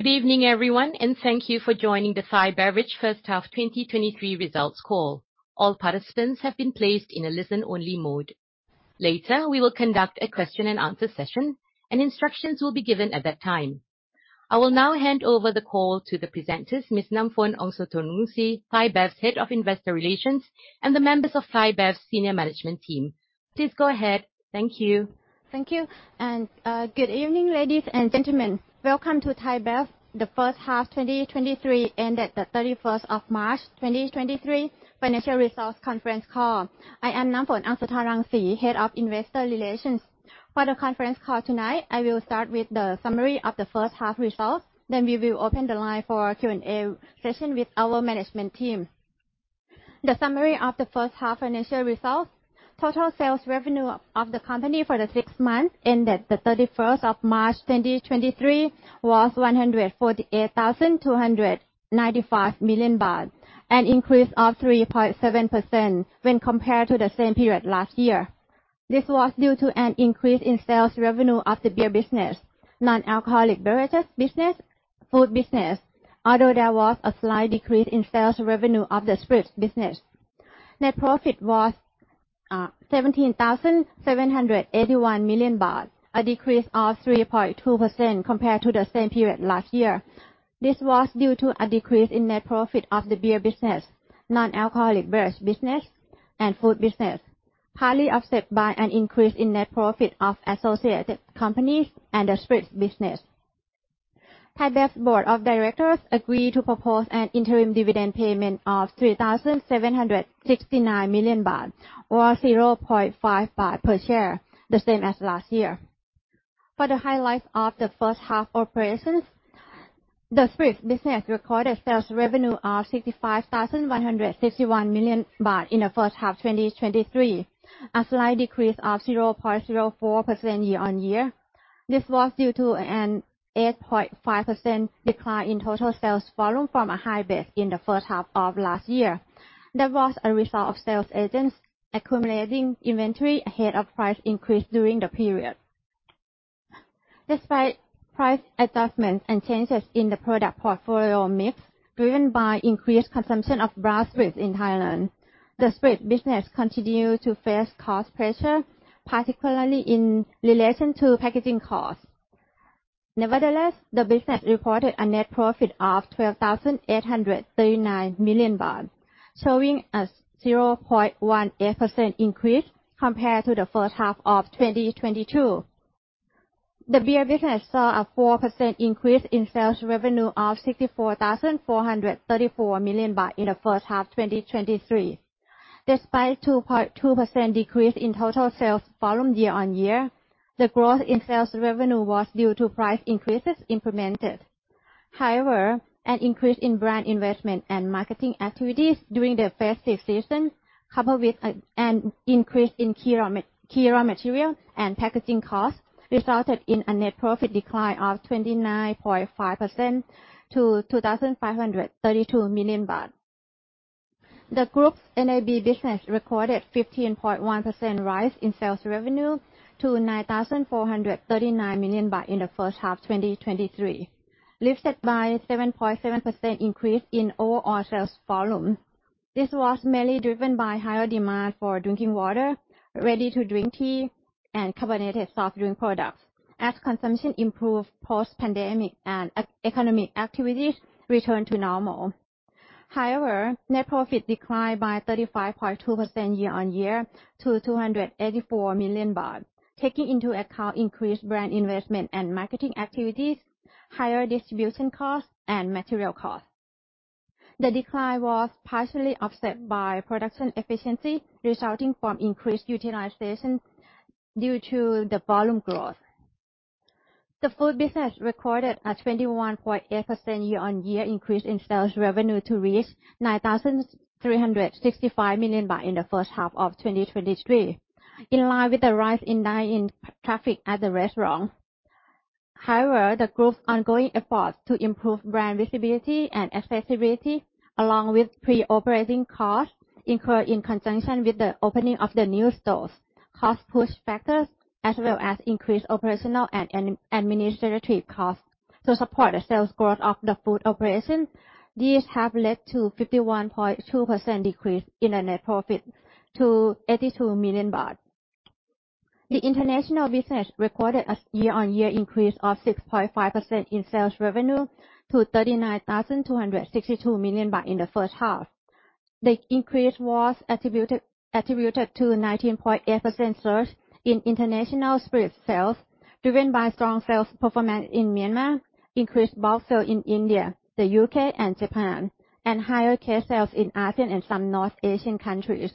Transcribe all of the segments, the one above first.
Good evening, everyone, and thank you for joining the Thai Beverage first half 2023 results call. All participants have been placed in a listen-only mode. Later, we will conduct a question and answer session, and instructions will be given at that time. I will now hand over the call to the presenters, Miss Namfon Aungsutornrungsi, Thai Bev's Head of Investor Relations, and the members of Thai Bev's senior management team. Please go ahead. Thank you. Thank you. Good evening, ladies and gentlemen. Welcome to ThaiBev, the first half 2023 ended March 31, 2023 financial results conference call. I am Namfon Aungsutornrungsi, Head of Investor Relations. For the conference call tonight, I will start with the summary of the first half results, then we will open the line for Q&A session with our management team. The summary of the first half financial results. Total sales revenue of the company for the six months ended March 31, 2023 was 148,295 million baht, an increase of 3.7% when compared to the same period last year. This was due to an increase in sales revenue of the beer business, non-alcoholic beverages business, food business, although there was a slight decrease in sales revenue of the spirits business. Net profit was 17,781 million baht, a decrease of 3.2% compared to the same period last year. This was due to a decrease in net profit of the beer business, non-alcoholic beverage business, and food business, partly offset by an increase in net profit of associated companies and the spirits business. ThaiBev's board of directors agreed to propose an interim dividend payment of 3,769 million baht, or 0.5 baht per share, the same as last year. For the highlights of the first half operations, the spirits business recorded sales revenue of 65,161 million baht in the first half 2023, a slight decrease of 0.04% year-on-year. This was due to an 8.5% decline in total sales volume from a high base in the first half of last year. That was a result of sales agents accumulating inventory ahead of price increase during the period. Despite price adjustments and changes in the product portfolio mix driven by increased consumption of brown spirits in Thailand, the spirit business continued to face cost pressure, particularly in relation to packaging costs. Nevertheless, the business reported a net profit of 12,839 million baht, showing a 0.18% increase compared to the first half of 2022. The beer business saw a 4% increase in sales revenue of 64,434 million baht in the first half 2023. Despite 2.2% decrease in total sales volume year-on-year, the growth in sales revenue was due to price increases implemented. An increase in brand investment and marketing activities during the festive season, coupled with an increase in key raw material and packaging costs, resulted in a net profit decline of 29.5% to 2,532 million baht. The group's NAB business recorded 15.1% rise in sales revenue to 9,439 million baht in the first half 2023, lifted by 7.7% increase in overall sales volume. This was mainly driven by higher demand for drinking water, ready-to-drink tea, and carbonated soft drink products as consumption improved post-pandemic and economic activities returned to normal. Net profit declined by 35.2% year-on-year to 284 million baht, taking into account increased brand investment and marketing activities, higher distribution costs, and material costs. The decline was partially offset by production efficiency resulting from increased utilization due to the volume growth. The food business recorded a 21.8% year-on-year increase in sales revenue to reach 9,365 million baht in the first half of 2023, in line with the rise in dine-in traffic at the restaurant. The group's ongoing efforts to improve brand visibility and accessibility, along with pre-operating costs incurred in conjunction with the opening of the new stores, cost push factors, as well as increased operational and administrative costs to support the sales growth of the food operation. These have led to 51.2% decrease in the net profit to 82 million baht. The international business recorded a year-on-year increase of 6.5% in sales revenue to 39,262 million baht in the first half. The increase was attributed to 19.8% surge in international spirit sales, driven by strong sales performance in Myanmar, increased bulk sale in India, the UK, and Japan, and higher case sales in ASEAN and some North Asian countries.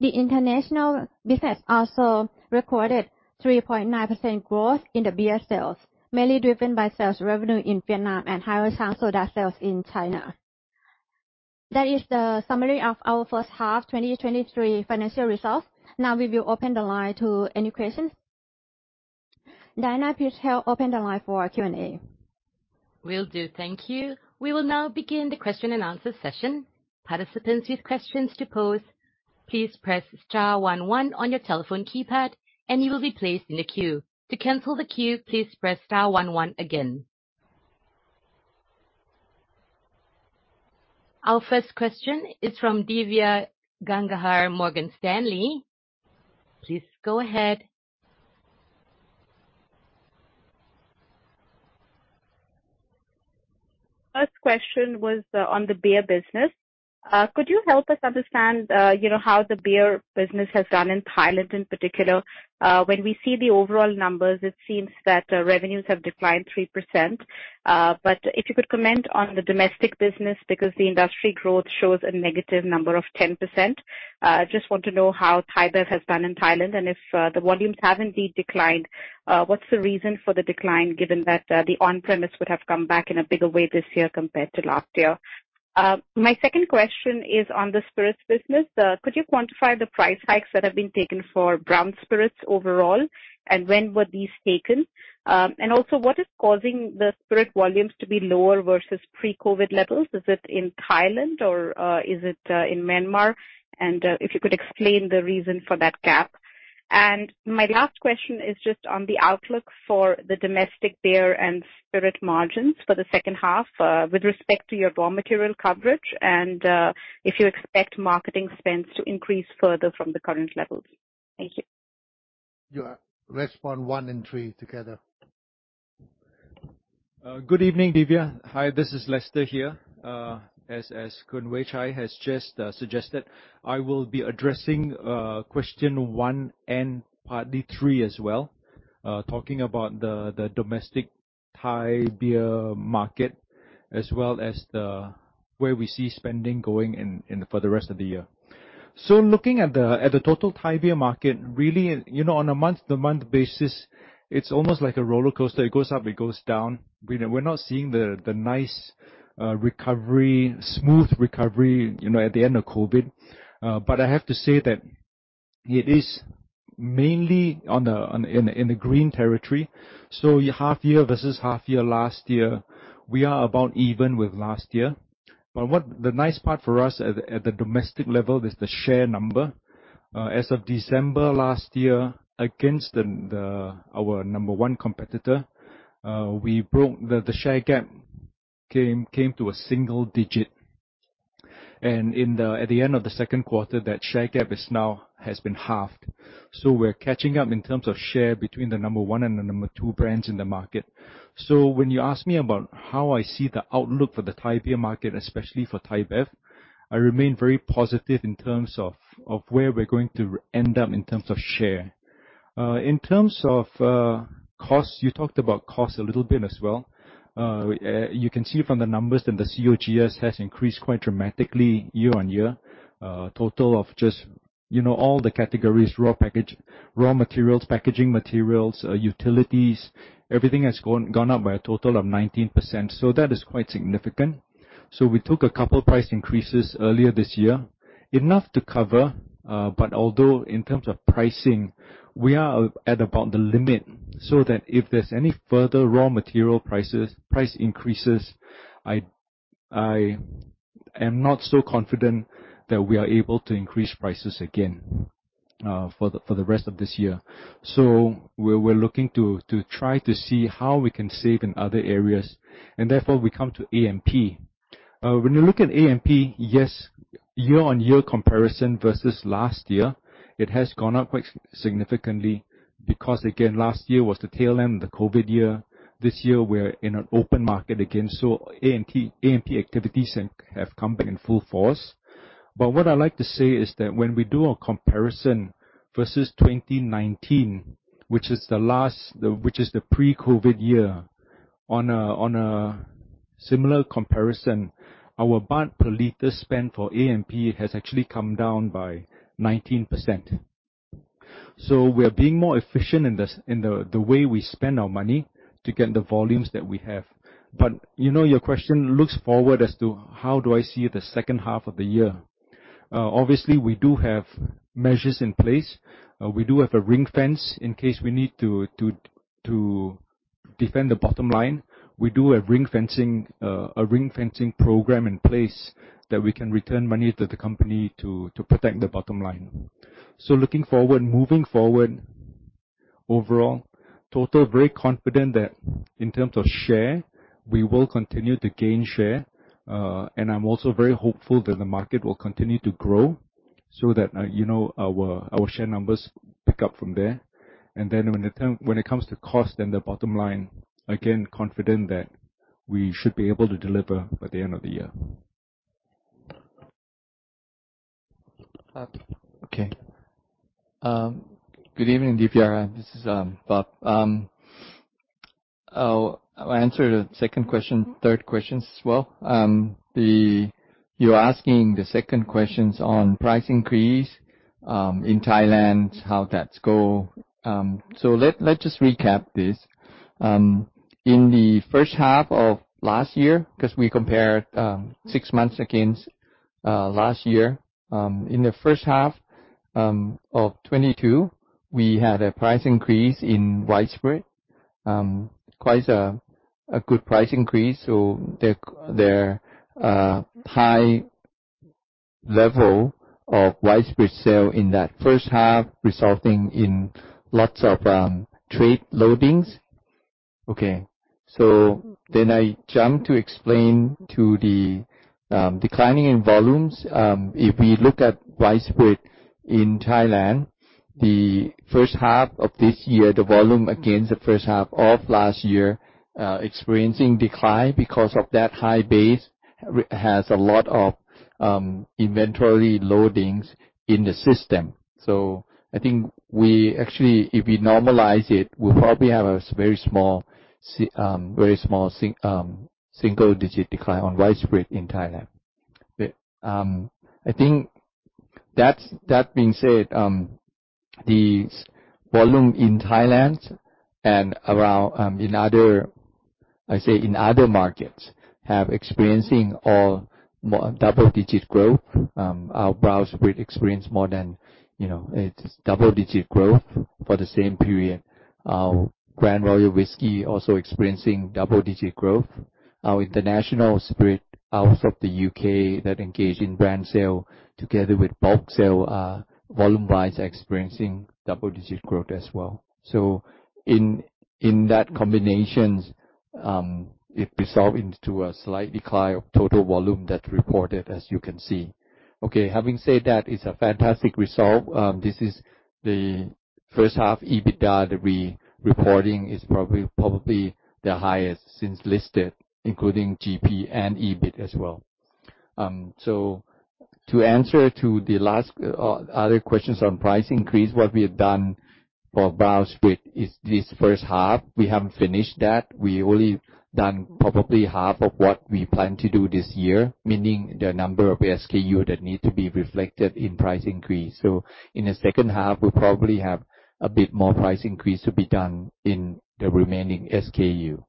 The international business also recorded 3.9% growth in the beer sales, mainly driven by sales revenue in Vietnam and higher strong soda sales in China. That is the summary of our first half 2023 financial results. We will open the line to any questions. Diana, please help open the line for Q&A. Will do. Thank you. We will now begin the question and answer session. Participants with questions to pose, please press star one one on your telephone keypad, and you will be placed in a queue. To cancel the queue, please press star one one again. Our first question is from Divya Gangahar, Morgan Stanley. Please go ahead. First question was on the beer business. Could you help us understand, you know, how the beer business has done in Thailand in particular? When we see the overall numbers, it seems that revenues have declined 3%. If you could comment on the domestic business because the industry growth shows a negative number of 10%. Just want to know how ThaiBev has done in Thailand, and if the volumes have indeed declined, what's the reason for the decline given that the on-premise would have come back in a bigger way this year compared to last year? My second question is on the spirits business. Could you quantify the price hikes that have been taken for brown spirits overall, and when were these taken? What is causing the spirit volumes to be lower versus pre-COVID levels? Is it in Thailand or is it in Myanmar? If you could explain the reason for that gap. My last question is just on the outlook for the domestic beer and spirit margins for the second half, with respect to your raw material coverage and if you expect marketing spends to increase further from the current levels. Thank you. Yeah. Respond one and three together. Good evening, Divya. Hi, this is Lester here. As Kunwichai has just suggested, I will be addressing question one and partly three as well, talking about the domestic Thai beer market, as well as where we see spending going in for the rest of the year. Looking at the total Thai beer market, really, you know, on a month-to-month basis, it's almost like a roller coaster. It goes up, it goes down. We know we're not seeing the nice recovery, smooth recovery, you know, at the end of COVID. But I have to say that it is mainly in the green territory. Half-year versus half-year last year, we are about even with last year. What the nice part for us at the domestic level is the share number. As of December last year against our number one competitor, we broke the share gap came to a single digit. At the end of the second quarter, that share gap is now has been halved. We're catching up in terms of share between the number one and the number two brands in the market. When you ask me about how I see the outlook for the Thai beer market, especially for ThaiBev, I remain very positive in terms of where we're going to end up in terms of share. In terms of costs, you talked about costs a little bit as well. You can see from the numbers that the COGS has increased quite dramatically year-on-year. Total of just, you know, all the categories, raw package, raw materials, packaging materials, utilities, everything has gone up by a total of 19%. That is quite significant. We took a couple price increases earlier this year. Enough to cover, but although in terms of pricing, we are at about the limit, so that if there's any further raw material prices, price increases, I am not so confident that we are able to increase prices again for the rest of this year. We're looking to try to see how we can save in other areas, and therefore we come to A&P. When you look at A&P, yes, year-on-year comparison versus last year, it has gone up quite significantly because, again, last year was the tail end, the COVID year. This year we're in an open market again, so A&P activities have come back in full force. What I like to say is that when we do a comparison versus 2019, which is the last, which is the pre-COVID year, on a similar comparison, our baht per liter spend for A&P has actually come down by 19%. We are being more efficient in the way we spend our money to get the volumes that we have. You know, your question looks forward as to how do I see the second half of the year. Obviously, we do have measures in place. We do have a ring fence in case we need to defend the bottom line. We do a ring fencing program in place that we can return money to the company to protect the bottom line. Looking forward, moving forward, overall, total very confident that in terms of share, we will continue to gain share. I'm also very hopeful that the market will continue to grow so that, you know, our share numbers pick up from there. When it comes to cost and the bottom line, again, confident that we should be able to deliver by the end of the year. Okay. Good evening, Divya. This is Bob. I'll answer the second question, third questions as well. You're asking the second questions on price increase in Thailand, how that's go. Let's just recap this. In the first half of last year, 'cause we compared six months against last year. In the first half of 2022, we had a price increase in rice bread Quite a good price increase. Their high level of wide spread sale in that first half resulting in lots of trade loadings. Okay. I jump to explain to the declining in volumes. If we look at wide spread in Thailand, the first half of this year, the volume against the first half of last year, experiencing decline because of that high base has a lot of inventory loadings in the system. I think we actually, if we normalize it, we probably have a very small single digit decline on wide spread in Thailand. I think that being said, the volume in Thailand and around in other, I say in other markets, have experiencing all more double-digit growth. Our Brown Spirit experienced more than, you know, it's double-digit growth for the same period. Our Grand Royal Whisky also experiencing double-digit growth. Our international spirit out of the UK that engage in brand sale together with bulk sale, volume-wise experiencing double-digit growth as well. In, in that combinations, it resolve into a slight decline of total volume that reported as you can see. Having said that, it's a fantastic result. This is the first half EBITDA that we reporting is probably the highest since listed, including GP and EBIT as well. To answer to the last other questions on price increase, what we have done for Brown Spirit is this first half, we haven't finished that. We only done probably half of what we plan to do this year, meaning the number of SKU that need to be reflected in price increase. In the second half we'll probably have a bit more price increase to be done in the remaining SKU.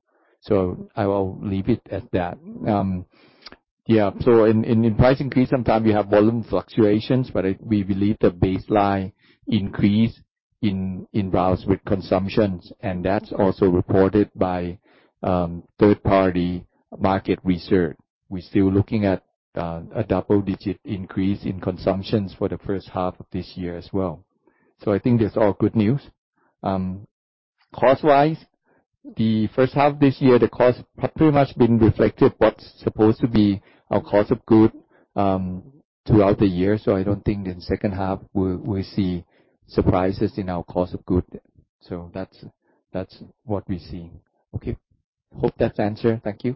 I will leave it at that. Yeah. In price increase, sometimes we have volume fluctuations, but we believe the baseline increase in brown spirits consumptions, and that's also reported by third party market research. We're still looking at a double digit increase in consumptions for the first half of this year as well. I think that's all good news. Cost-wise, the first half this year, the cost have pretty much been reflective what's supposed to be our COGS throughout the year. I don't think in the second half we'll see surprises in our cost of goods. That's what we're seeing. Okay. Hope that answer. Thank you.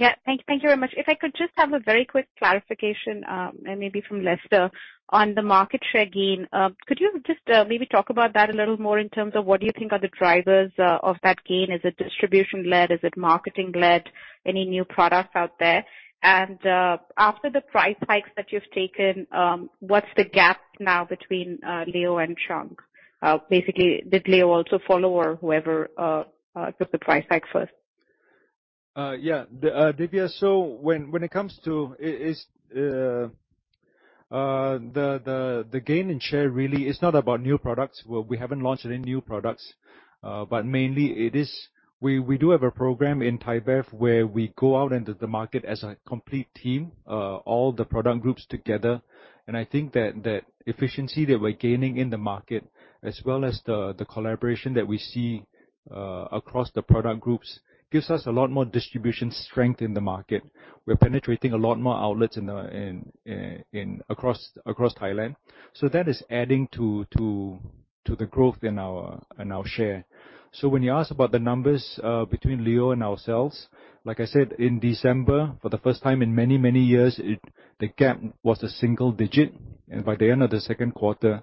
Yeah. Thank you very much. If I could just have a very quick clarification, and maybe from Lester, on the market share gain. Could you just maybe talk about that a little more in terms of what do you think are the drivers of that gain? Is it distribution-led? Is it marketing-led? Any new products out there? After the price hikes that you've taken, what's the gap now between Leo and Chang? Basically did Leo also follow or whoever took the price hike first? Yeah. The, Divya, so when it comes to is the gain in share really is not about new products. We haven't launched any new products, but mainly it is. We do have a program in ThaiBev where we go out into the market as a complete team, all the product groups together. I think that efficiency that we're gaining in the market as well as the collaboration that we see across the product groups gives us a lot more distribution strength in the market. We're penetrating a lot more outlets in the across Thailand. That is adding to the growth in our share. When you ask about the numbers, between Leo and ourselves, like I said, in December, for the first time in many, many years, the gap was a single digit, and by the end of the second quarter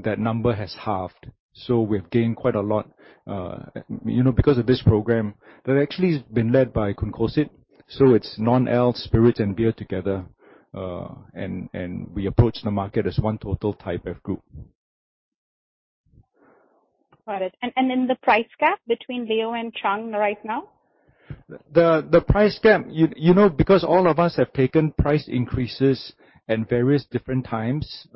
that number has halved. We've gained quite a lot, you know, because of this program that actually has been led by Khun Kosit. It's non-ale, spirits, and beer together. And we approach the market as one total ThaiBev group. Got it. Then the price gap between Leo and Chang right now? The price gap, you know, because all of us have taken price increases at various different times,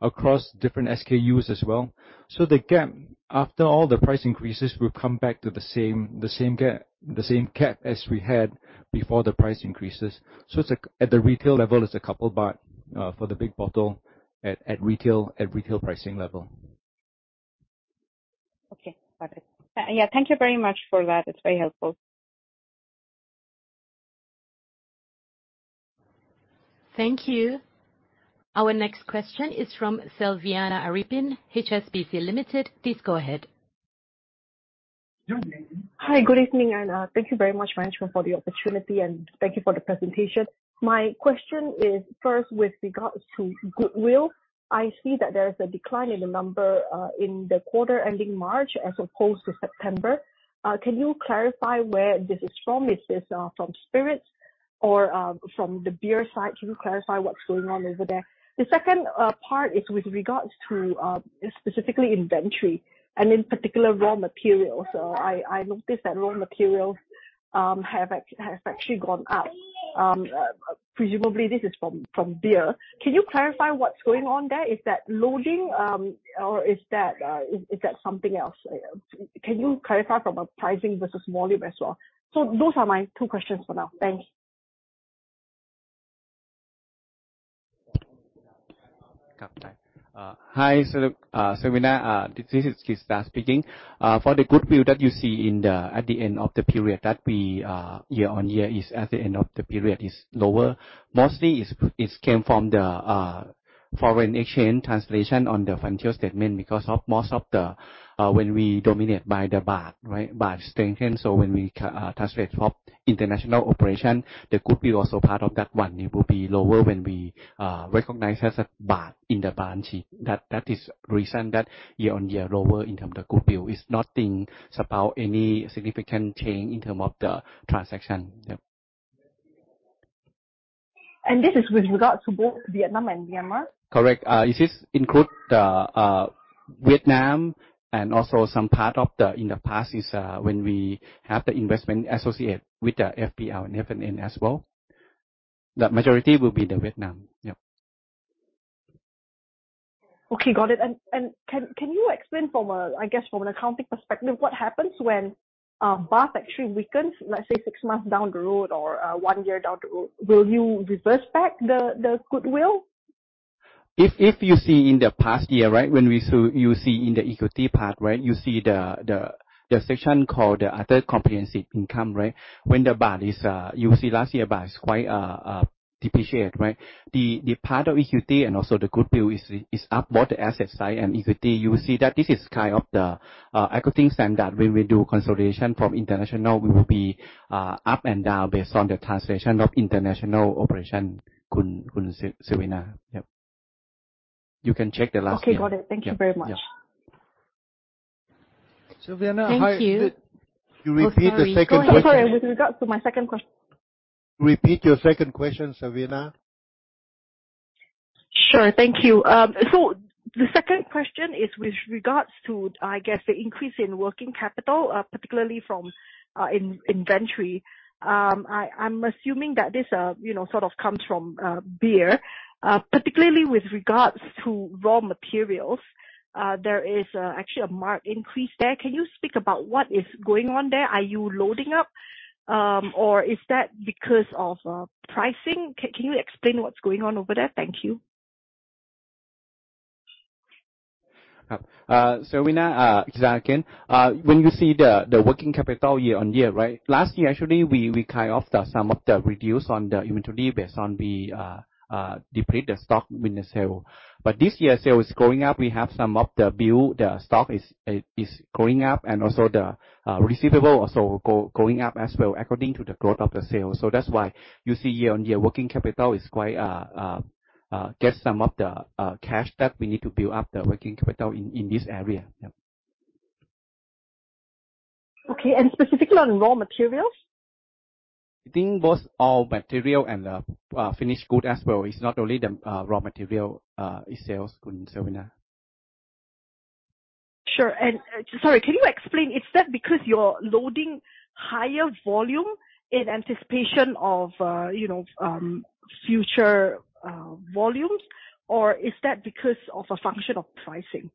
across different SKUs as well. The gap after all the price increases will come back to the same, the same gap as we had before the price increases. It's like at the retail level, it's a couple THB for the big bottle at retail, at retail pricing level. Okay. Got it. Yeah. Thank you very much for that. It's very helpful. Thank you. Our next question is from Sylviana Aripin, HSBC Limited. Please go ahead. Hi. Good evening, and thank you very much management for the opportunity, and thank you for the presentation. My question is first with regards to goodwill. I see that there is a decline in the number in the quarter ending March as opposed to September. Can you clarify where this is from? Is this from spirits or from the beer side? Can you clarify what's going on over there? The second part is with regards to specifically inventory and in particular raw materials. I noticed that raw materials have actually gone up. Presumably, this is from beer. Can you clarify what's going on there? Is that loading, or is that something else? Can you clarify from a pricing versus volume as well? Those are my two questions for now. Thanks. Kap khun ka. Hi, Selviana. This is Kista speaking. For the goodwill that you see at the end of the period that we, year-on-year, is lower. Mostly came from the foreign exchange translation on the financial statement because of most of the, when we dominate by the Baht, right? Baht strengthen, so when we translate from international operation, the goodwill also part of that one. It will be lower when we recognize as a Baht in the Baht sheet. That is reason that year-on-year lower in terms of goodwill. It's nothing about any significant change in terms of the transaction. Yeah. This is with regards to both Vietnam and Myanmar? Correct. This is include the Vietnam. In the past is, when we have the investment associate with the F&B and F&N as well. The majority will be the Vietnam. Yep. Okay, got it. Can you explain from an accounting perspective, what happens when Baht actually weakens, let's say, six months down the road or one year down the road? Will you reverse back the goodwill? If you see in the past year, right? You see in the equity part, right? You see the section called other comprehensive income, right? When the Baht is, you see last year, Baht is quite depreciated, right? The part of equity and also the goodwill is up both the asset side and equity. You will see that this is kind of the accounting standard when we do consolidation from international, we will be up and down based on the translation of international operation, Khun Selvania. Yep. You can check the last year. Okay, got it. Yeah, yeah. Thank you very much. Savina. Thank you. Could you repeat the second question? Oh, sorry. With regards to my second question. Repeat your second question, Selvania. Sure. Thank you. The second question is with regards to, I guess, the increase in working capital, particularly from in inventory. I'm assuming that this, you know, sort of comes from beer, particularly with regards to raw materials. There is actually a marked increase there. Can you speak about what is going on there? Are you loading up, or is that because of pricing? Can you explain what's going on over there? Thank you. Savina, Kista again. When you see the working capital year-over-year, right? Last year, actually, we kind of the some of the reduce on the inventory based on the deplete the stock when the sales. This year sales is going up, we have some of the build the stock is going up and also the receivable also going up as well according to the growth of the sales. That's why you see year-over-year working capital is quite get some of the cash that we need to build up the working capital in this area. Yep. Okay. Specifically on raw materials? I think both our material and the finished good as well. It's not only the raw material, it sells, Kun Savina. Sure. Sorry, can you explain, is that because you're loading higher volume in anticipation of, you know, future volumes? Or is that because of a function of pricing?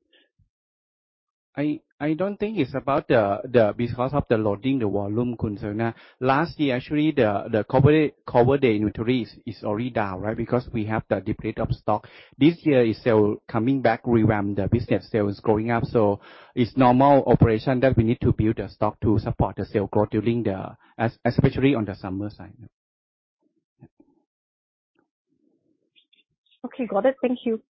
I don't think it's because of the loading the volume, Kun Selviana. Last year, actually, the cover the inventories is already down, right? Because we have the deplete of stock. This year is sale coming back, revamp the business. Sales is going up, so it's normal operation that we need to build the stock to support the sale growth during especially on the summer side. Yep. Okay, got it. Thank you.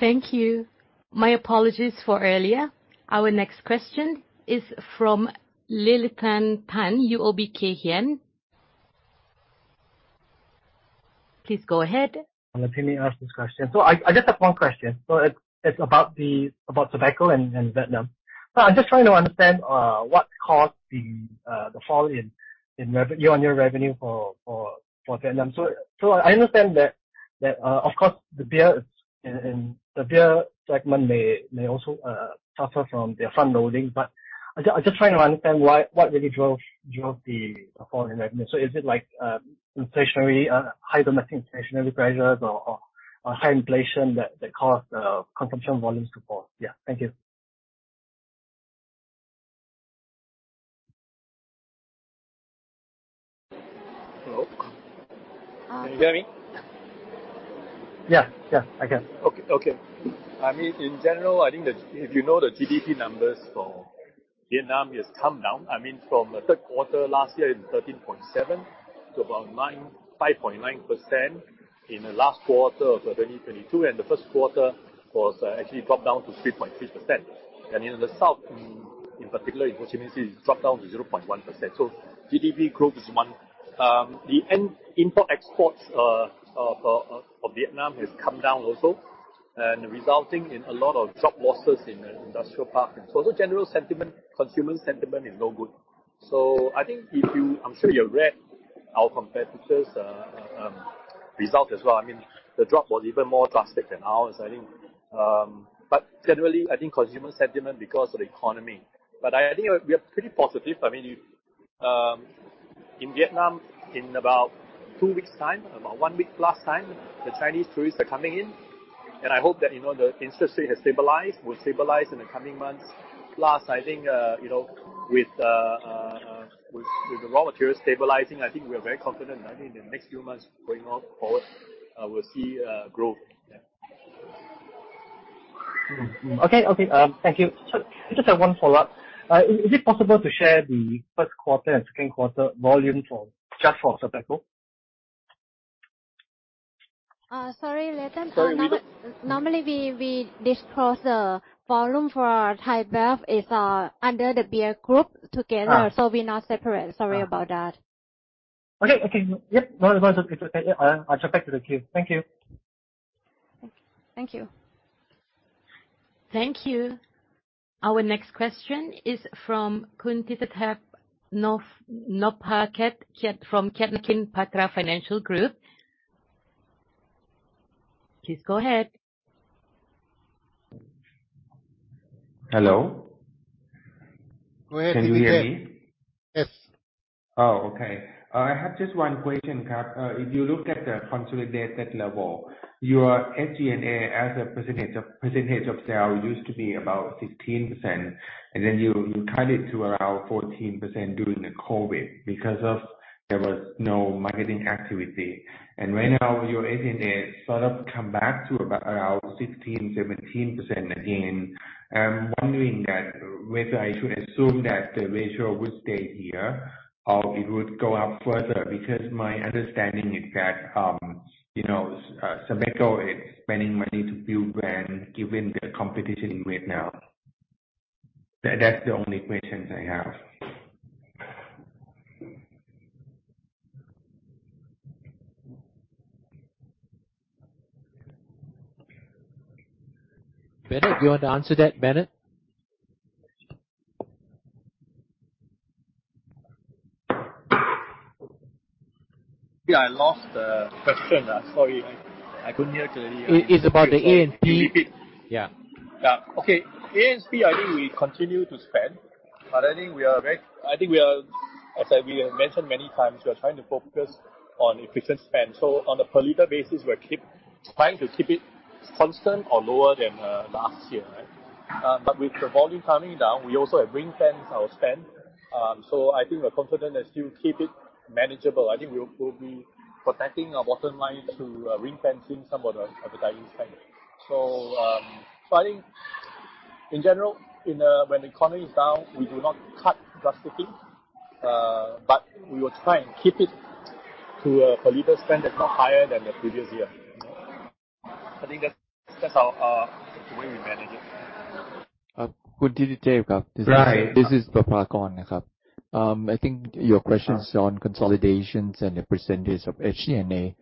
Thank you. My apologies for earlier. Our next question is from Llelleythan Tan, UOB Kay Hian. Please go ahead. Let me ask this question. I just have one question. It's, it's about the, about tobacco in Vietnam. I'm just trying to understand what caused the fall in year-on year-revenue for Vietnam. I understand that, of course, the beer and the beer segment may also suffer from their front-loading. I'm just trying to understand why, what really drove the fall in revenue. Is it like inflationary, high domestic inflationary pressures or high inflation that caused consumption volumes to fall? Yeah. Thank you. Hello. Can you hear me? Yeah. Yeah, I can. Okay. Okay. I mean, in general, I think if you know the GDP numbers for Vietnam has come down. I mean, from the third quarter last year, it was 13.7% to about 5.9% in the last quarter of 2022. The first quarter was actually dropped down to 3.3%. In the south, in particular in Ho Chi Minh City, it dropped down to 0.1%. GDP growth is one. The import exports of Vietnam has come down also, resulting in a lot of job losses in the industrial park. The general sentiment, consumer sentiment is no good. I think I'm sure you read- Our competitors' result as well. I mean, the drop was even more drastic than ours, I think. Generally, I think consumer sentiment because of the economy. I think we are pretty positive. I mean, in Vietnam, in about 2 weeks' time, about 1 week plus time, the Chinese tourists are coming in. I hope that, you know, the interest rate has stabilized, will stabilize in the coming months. I think, you know, with the raw material stabilizing, I think we are very confident. I think in the next few months going forward, we'll see growth. Yeah. Okay. Okay. Thank you. Just have 1 follow-up. Is it possible to share the first quarter and second quarter volume just for SABECO? Sorry, Leyton. Normally we disclose the volume for Thai Bev is under the beer group together. Ah. We're not separate. Sorry about that. Okay. Okay. Yep. No, it's okay. I'll jump back to the queue. Thank you. Thank you. Thank you. Our next question is from Thitithep Nophakit from Kiatnakin Phatra Financial Group. Please go ahead. Hello. Go ahead, Thitithep. Can you hear me? Yes. Okay. I have just one question, Kap. If you look at the consolidated level, your SG&A as a percentage of sale used to be about 16%, and then you cut it to around 14% during the COVID because of there was no marketing activity. Right now, your SG&A sort of come back to about around 16%, 17% again. I'm wondering that whether I should assume that the ratio would stay here or it would go up further because my understanding is that, you know, SABECO is spending money to build brand given the competition right now. That's the only questions I have. Bennett, do you want to answer that, Bennett? Yeah, I lost the question. sorry. I couldn't hear clearly. It's about the A&P. Repeat. Yeah. Yeah. Okay. A&P, I think we continue to spend, but we have mentioned many times, we are trying to focus on efficient spend. On a per liter basis, trying to keep it constant or lower than last year. With the volume coming down, we also have ring-fenced our spend. I think we're confident that still keep it manageable. I think we'll be protecting our bottom line through ring-fencing some of the advertising spend. I think in general, in when the economy is down, we do not cut drastically, but we will try and keep it to a per liter spend that's not higher than the previous year. I think that's how the way we manage it. Thitithep, Kap. Right. This is Papakon, Kap. I think your question is on consolidations and the % of SG&A.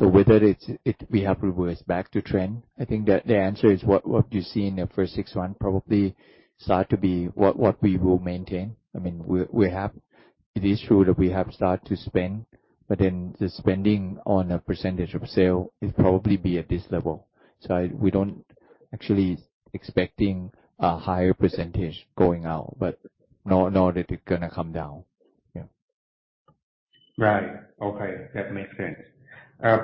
Whether it's, we have reversed back to trend, I think the answer is what you see in the first 6 months probably start to be what we will maintain. I mean, we have. It is true that we have started to spend, the spending on a % of sale is probably be at this level. We don't actually expecting a higher % going out, but nor that it gonna come down. Yeah. Right. Okay. That makes sense.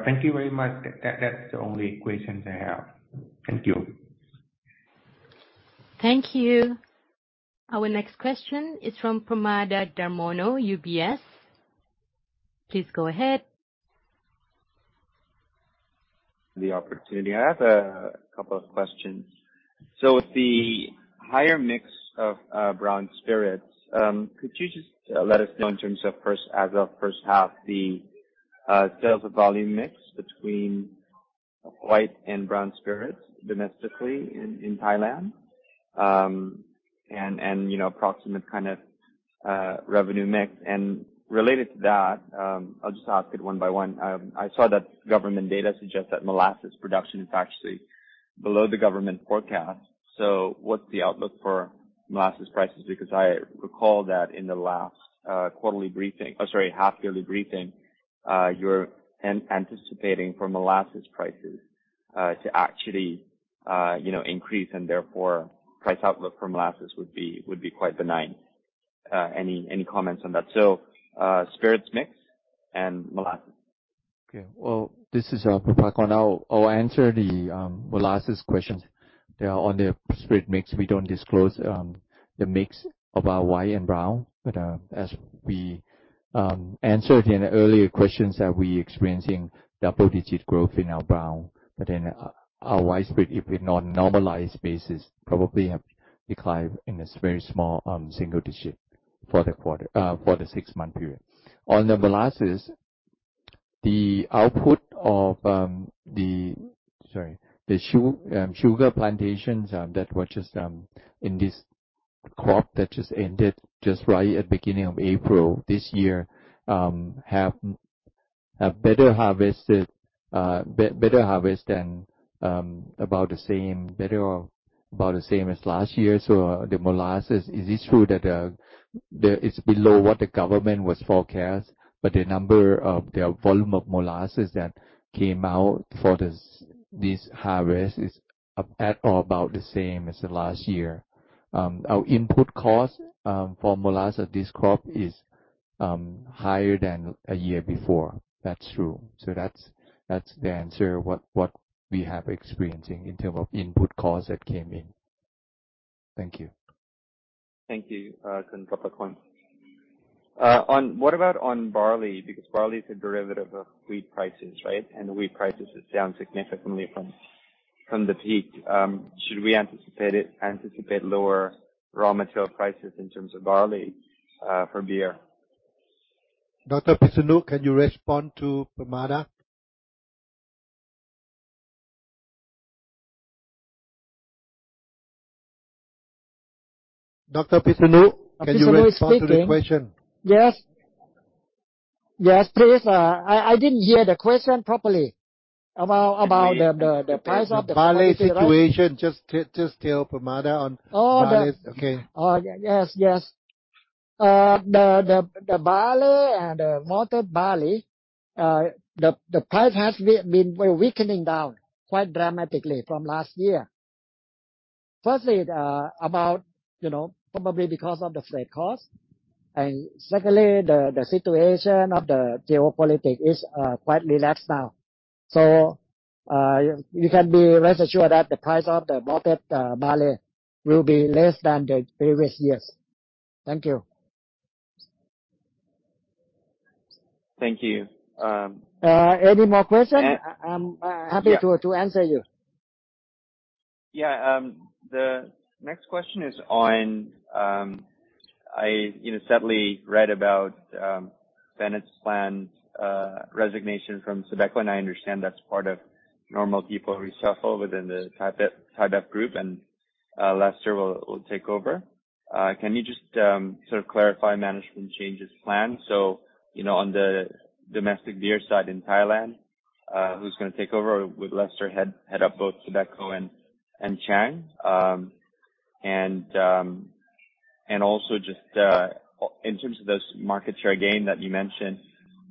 Thank you very much. That's the only questions I have. Thank you. Thank you. Our next question is from Permada Darmono, UBS. Please go ahead. The opportunity. I have a couple of questions. With the higher mix of brown spirits, could you just let us know in terms of first, as of first half the sales volume mix between white and brown spirits domestically in Thailand, and, you know, approximate kind of revenue mix? Related to that, I'll just ask it one by one. I saw that government data suggests that molasses production is actually below the government forecast. What's the outlook for molasses prices? Because I recall that in the last quarterly briefing, sorry, half yearly briefing, you're anticipating for molasses prices to actually, you know, increase and therefore price outlook for molasses would be quite benign. Any comments on that? Spirits mix and molasses. Okay. Well, this is Prapakon. I'll answer the molasses questions. On the spirit mix, we don't disclose the mix of our white and brown. As we answered in the earlier questions that we're experiencing double-digit growth in our brown. Our white spirit, if in on normalized basis, probably have declined in a very small single digit for the quarter, for the six-month period. On the molasses, the output of the sugar plantations that were just in this crop that just ended just right at beginning of April this year, have a better harvest than about the same, better or about the same as last year. The molasses, is it true that it's below what the government was forecast, but the number of... The volume of molasses that came out for this harvest is up at or about the same as the last year. Our input cost for molasses this crop is higher than a year before. That's true. That's the answer, what we have experiencing in term of input costs that came in. Thank you. Thank you, Prapakon Thongtheppairot. What about on barley? Because barley is a derivative of wheat prices, right? Wheat prices is down significantly from the peak. Should we anticipate lower raw material prices in terms of barley for beer? Pisanu Vichiensanth, can you respond to Pramada? Pisanu Vichiensanth, can you respond to the question? Yes. Yes, please. I didn't hear the question properly. About the price of the barley, right? Barley situation. Just tell Pramada on- Oh, the- barley. Okay. Yes, yes. The barley and the malted barley, the price has been weakening down quite dramatically from last year. Firstly, you know, probably because of the freight costs. Secondly, the situation of the geopolitics is quite relaxed now. You can be rest assured that the price of the malted barley will be less than the previous years. Thank you. Thank you. Any more question? A- I'm happy. Yeah. to answer you. Yeah. The next question is on, I, you know, sadly read about Bennett's planned resignation from SABECO, and I understand that's part of normal people reshuffle within the ThaiBev Group and Lester will take over. Can you just sort of clarify management changes plan? You know, on the domestic beer side in Thailand, who's gonna take over? Will Lester head up both SABECO and Chang? Just in terms of this market share gain that you mentioned,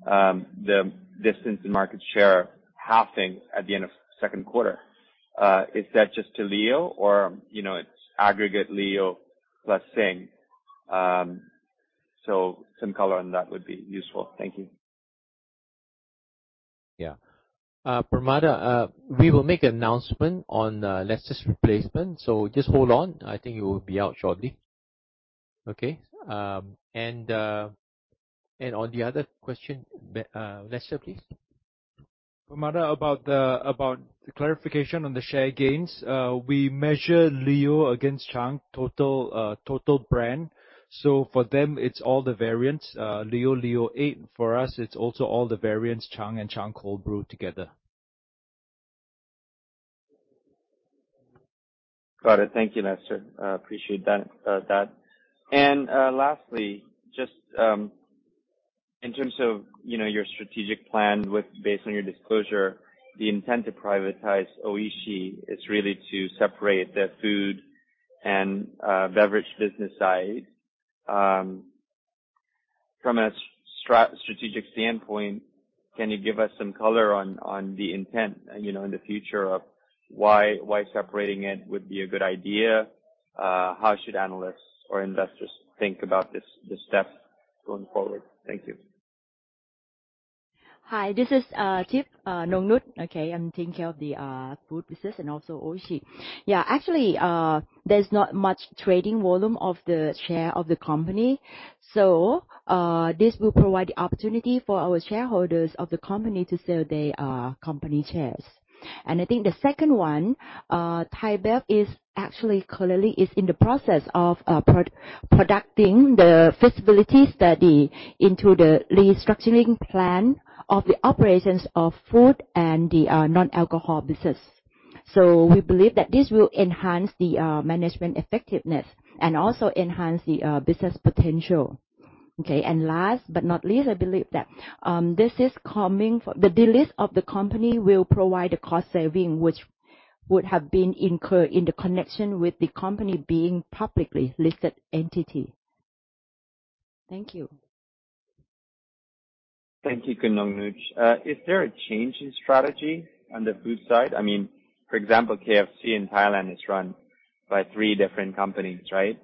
the distance in market share halving at the end of second quarter, is that just to Leo? You know, it's aggregate Leo plus Sing. Some color on that would be useful. Thank you. Yeah. Pramada, we will make announcement on Lester's replacement, so just hold on. I think it will be out shortly. Okay? On the other question, Lester, please. Pramada, about the clarification on the share gains, we measure Leo against Chang total brand. For them, it's all the variants, Leo Eight. For us, it's also all the variants, Chang and Chang Cold Brew together. Got it. Thank you, Lester. Appreciate that. Lastly, just, in terms of, you know, your strategic plan with, based on your disclosure, the intent to privatize Oishi is really to separate the food and beverage business side. From a strategic standpoint, can you give us some color on the intent and, you know, in the future of why separating it would be a good idea? How should analysts or investors think about this step going forward? Thank you. Hi, this is Tip Nongnut. I'm taking care of the food business and also Oishi. Actually, there's not much trading volume of the share of the company. This will provide the opportunity for our shareholders of the company to sell their company shares. I think the second one, ThaiBev is actually currently is in the process of producing the feasibility study into the restructuring plan of the operations of food and the non-alcohol business. We believe that this will enhance the management effectiveness and also enhance the business potential. Last but not least, I believe that the delist of the company will provide a cost saving which would have been incurred in the connection with the company being publicly listed entity. Thank you. Thank you, Khun Nongnut. Is there a change in strategy on the food side? I mean, for example, KFC in Thailand is run by three different companies, right?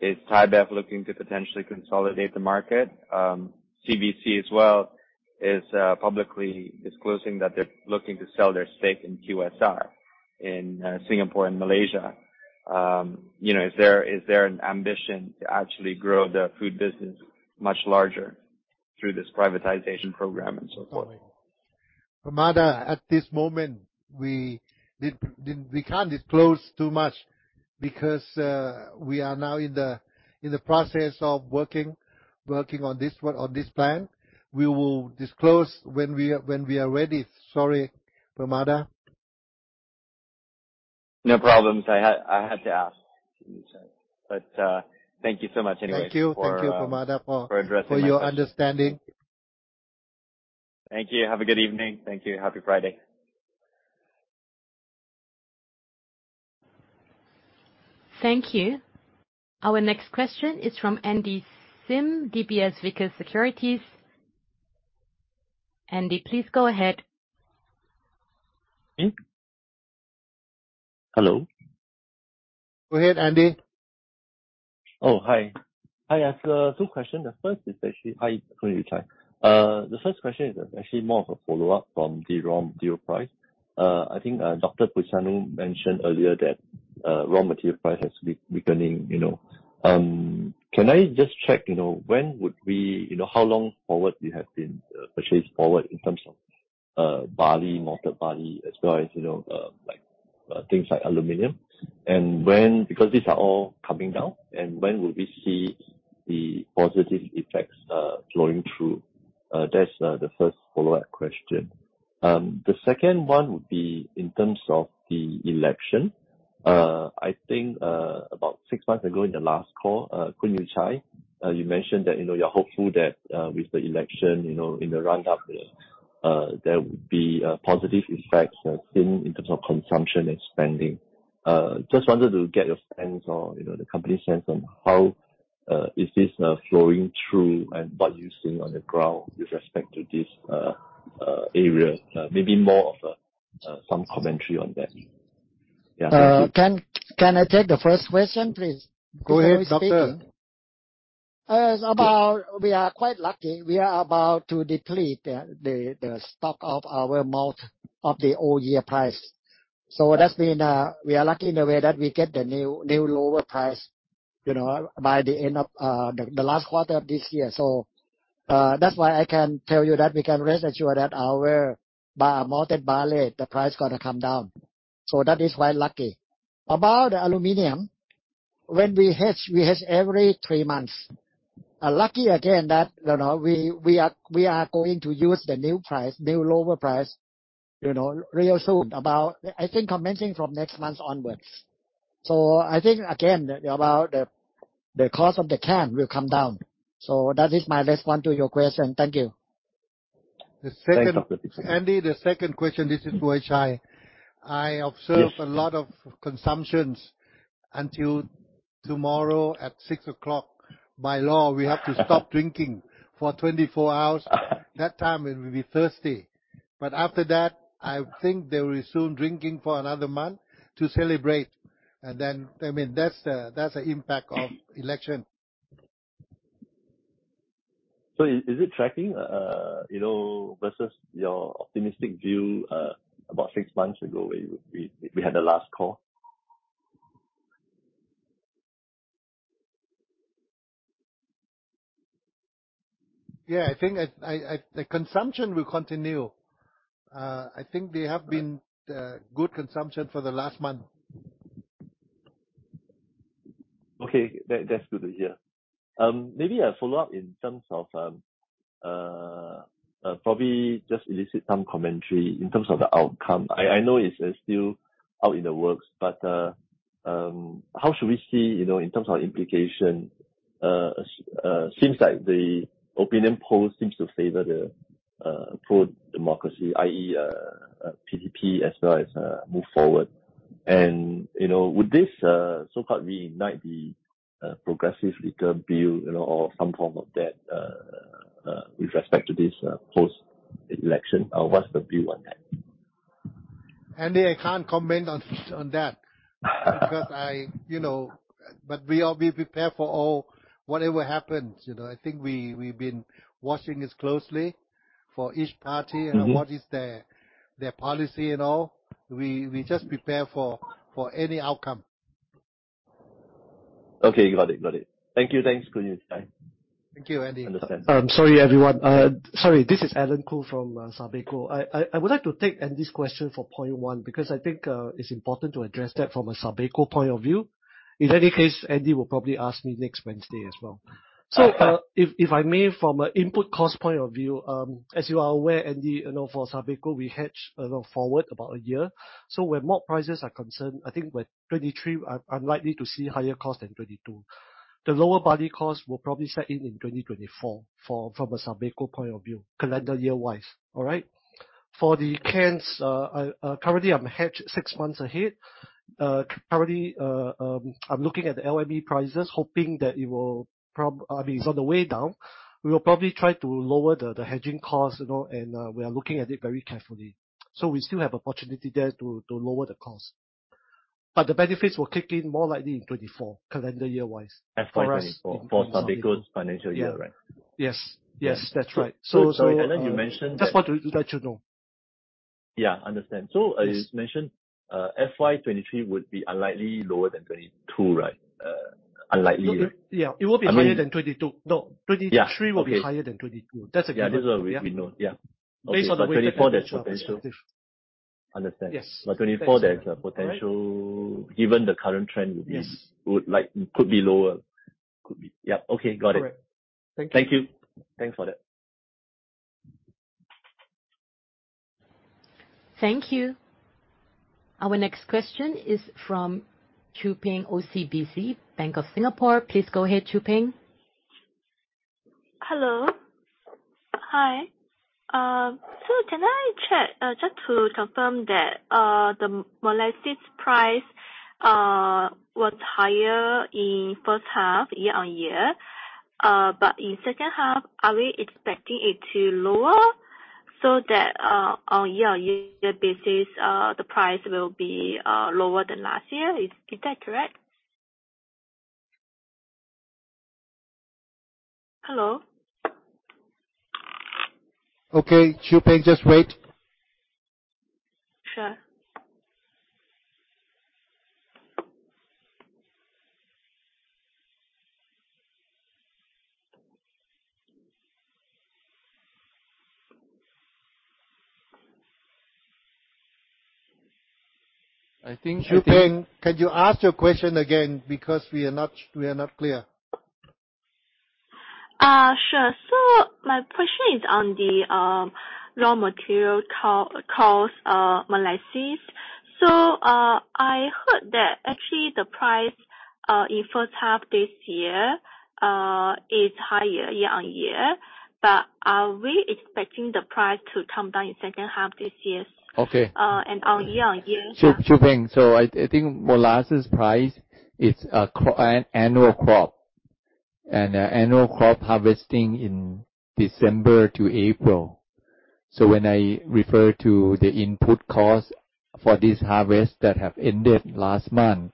Is ThaiBev looking to potentially consolidate the market? CVC as well is publicly disclosing that they're looking to sell their stake in QSR in Singapore and Malaysia. You know, is there, is there an ambition to actually grow the food business much larger through this privatization program and so forth? Pramada, at this moment, we did. We can't disclose too much because we are now in the process of working on this one, on this plan. We will disclose when we are ready. Sorry, Pramada. No problems. I had to ask. Thank you so much anyway. Thank you. Thank you, Pramada, for- for addressing my question. For your understanding. Thank you. Have a good evening. Thank you. Happy Friday. Thank you. Our next question is from Andy Sim, DBS Vickers Securities. Andy, please go ahead. Me? Hello. Go ahead, Andy. Hi. I have two questions. The first is actually, hi, Khun Ueychai. The first question is actually more of a follow-up from the raw material price. I think Dr. Pisanu mentioned earlier that raw material price has weakening, you know. Can I just check, you know, when would we, you know, how long forward you have been purchased forward in terms of barley, malted barley, as well as, you know, like things like aluminum? When, because these are all coming down, and when will we see the positive effects flowing through? That's the first follow-up question. The second one would be in terms of the election. I think, about 6 months ago in the last call, Khun Ueychai, you mentioned that, you know, you're hopeful that, with the election, you know, in the run up, there would be positive effects, seen in terms of consumption and spending. Just wanted to get your sense on, you know, the company's sense on how is this flowing through and what you're seeing on the ground with respect to this area. Maybe more of some commentary on that. Yeah. Thank you. Can I take the first question, please? Go ahead, Doctor. As about we are quite lucky. We are about to deplete the stock of our malt of the old year price. That's been, we are lucky in a way that we get the new lower price, you know, by the end of the last quarter of this year. That's why I can tell you that we can rest assure that our malted barley, the price gonna come down. That is quite lucky. About the aluminum, when we hedge, we hedge every three months. Lucky again that, you know, we are going to use the new price, new lower price, you know, real soon. I think commencing from next month onwards. I think again, about the cost of the can will come down. That is my respond to your question. Thank you. Thanks, Doctor. Andy, the second question. This is Ueychai. I observe a lot of consumptions until tomorrow at 6 o'clock. By law, we have to stop drinking for 24 hours. That time it will be thirsty. After that, I think they will resume drinking for another month to celebrate. Then, I mean, that's the impact of election. Is it tracking, you know, versus your optimistic view, about six months ago when we had the last call? Yeah. I think the consumption will continue. I think they have been good consumption for the last month. Okay. That's good to hear. Maybe a follow-up in terms of probably just elicit some commentary in terms of the outcome. I know it's still out in the works, but how should we see, you know, in terms of implication, seems like the opinion poll seems to favor the pro-democracy, i.e., PDP as well as Move Forward. You know, would this so-called reignite the Progressive Liquor Bill, you know, or some form of that with respect to this post-election? What's the view on that? Andy, I can't comment on that because I, you know. We prepare for all, whatever happens, you know. I think we've been watching this closely for each party and what is their policy and all. We just prepare for any outcome. Okay. Got it. Got it. Thank you. Thanks, Kun Yu Chai. Thank you, Andy. Understand. Sorry, everyone. Sorry, this is Alan Koo from SABECO. I would like to take Andy's question for point 1 because I think it's important to address that from a SABECO point of view. In any case, Andy will probably ask me next Wednesday as well. If I may, from an input cost point of view, as you are aware, Andy, you know, for SABECO, we hedge, you know, forward about a year. Where malt prices are concerned, I think with 2023, I'm likely to see higher cost than 2022. The lower barley cost will probably set in in 2024 for, from a SABECO point of view, calendar year-wise. All right? For the cans, currently I'm hedged 6 months ahead. Currently, I'm looking at the LME prices, hoping that it will I mean, it's on the way down. We will probably try to lower the hedging costs, you know, and we are looking at it very carefully. We still have opportunity there to lower the cost. The benefits will kick in more likely in 2024, calendar year-wise. FY 2024. For us. For SABECO's financial year, right? Yeah. Yes. Yes. That's right. You mentioned that. Just want to let you know. Yeah. Understand. As mentioned, FY 2023 would be unlikely lower than 2022, right? Unlikely. Yeah. It will be higher than 22. No. 23 will be higher than 22. That's a given. Yeah. That's what we know. Yeah. Based on the way that- 24, there's potential. Understand. Yes. 24, there's a potential, given the current trend would be- Yes. would like, could be lower. Could be. Yeah. Okay. Got it. Correct. Thank you. Thank you. Thanks for that. Thank you. Our next question is from Chu Peng, OCBC, Bank of Singapore. Please go ahead, Chu Peng. Hello. Hi. Can I check just to confirm that the molasses price was higher in first half year-on-year, but in second half, are we expecting it to lower so that on year-on-year basis, the price will be lower than last year? Is that correct? Hello? Okay. Chu Peng, just wait. Sure. I think Chu-. Chu Peng, can you ask your question again because we are not clear. sure. My question is on the raw material cost, molasses. I heard that actually the price in first half this year is higher year-on-year. Are we expecting the price to come down in second half this year? Okay. on year-on-year. Chu Peng. I think molasses price is an annual crop, an annual crop harvesting in December to April. When I refer to the input cost for this harvest that have ended last month,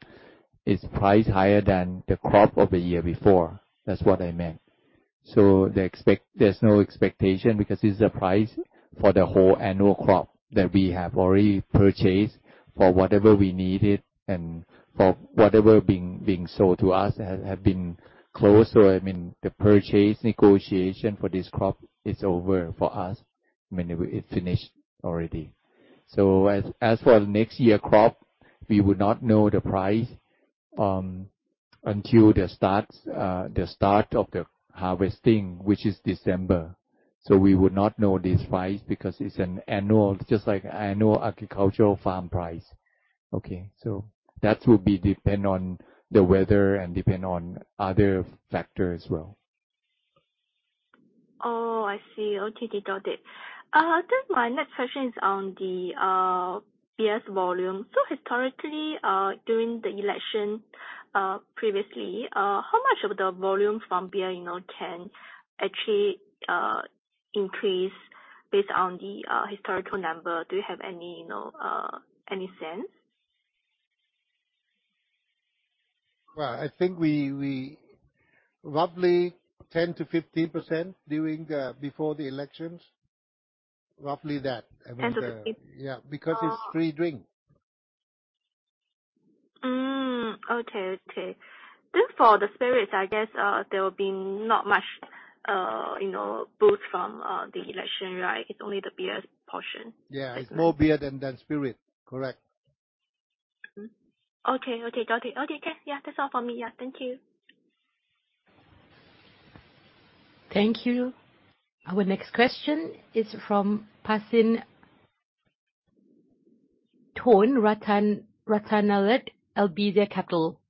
is priced higher than the crop of the year before. That's what I meant. There's no expectation because this is a price for the whole annual crop that we have already purchased for whatever we needed and for whatever being sold to us have been closed. I mean, the purchase negotiation for this crop is over for us, meaning it's finished already. As for next year crop, we would not know the price until the start of the harvesting, which is December. We would not know this price because it's an annual, just like annual agricultural farm price. Okay? That will be depend on the weather and depend on other factor as well. I see. Noted. My next question is on the beer's volume. Historically, during the election, previously, how much of the volume from beer, you know, can actually increase based on the historical number? Do you have any, you know, any sense? Well, I think we roughly 10%-15% during the before the elections. Roughly that. 10 to 15- Yeah. Oh. Because it's free drink. Okay. Okay. For the spirits, I guess, there will be not much, you know, boost from the election, right? It's only the beer portion. Yeah. It's more beer than spirit. Correct. Okay. Okay. Got it. Okay. Yes. Yeah. That's all from me. Yeah. Thank you. Thank you. Our next question is from Phasin Ratanalert, Albizia Capital.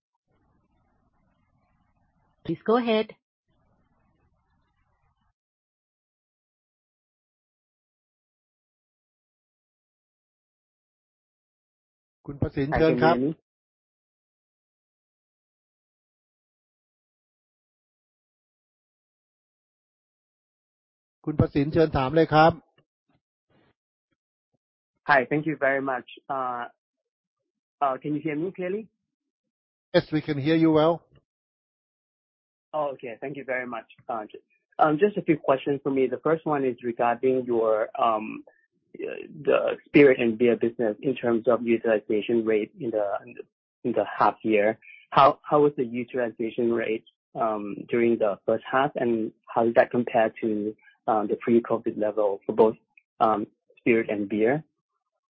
Please go ahead. Hi. Thank you very much. Can you hear me clearly? Yes, we can hear you well. Oh, okay. Thank you very much. Just a few questions for me. The first one is regarding your the spirit and beer business in terms of utilization rate in the, in the, in the half year. How was the utilization rate during the first half, and how does that compare to the pre-COVID level for both spirit and beer?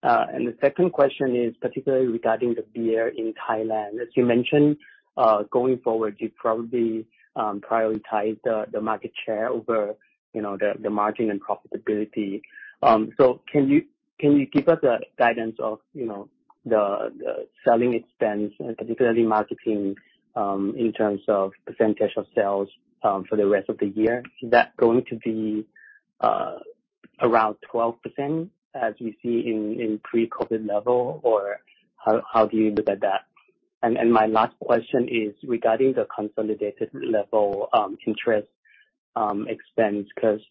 The second question is particularly regarding the beer in Thailand. As you mentioned, going forward, you probably prioritize the market share over, you know, the margin and profitability. Can you give us a guidance of, you know, the selling expense, and particularly marketing, in terms of % of sales for the rest of the year? Is that going to be, around 12% as you see in pre-COVID level, or how do you look at that? My last question is regarding the consolidated level, interest, expense, 'cause,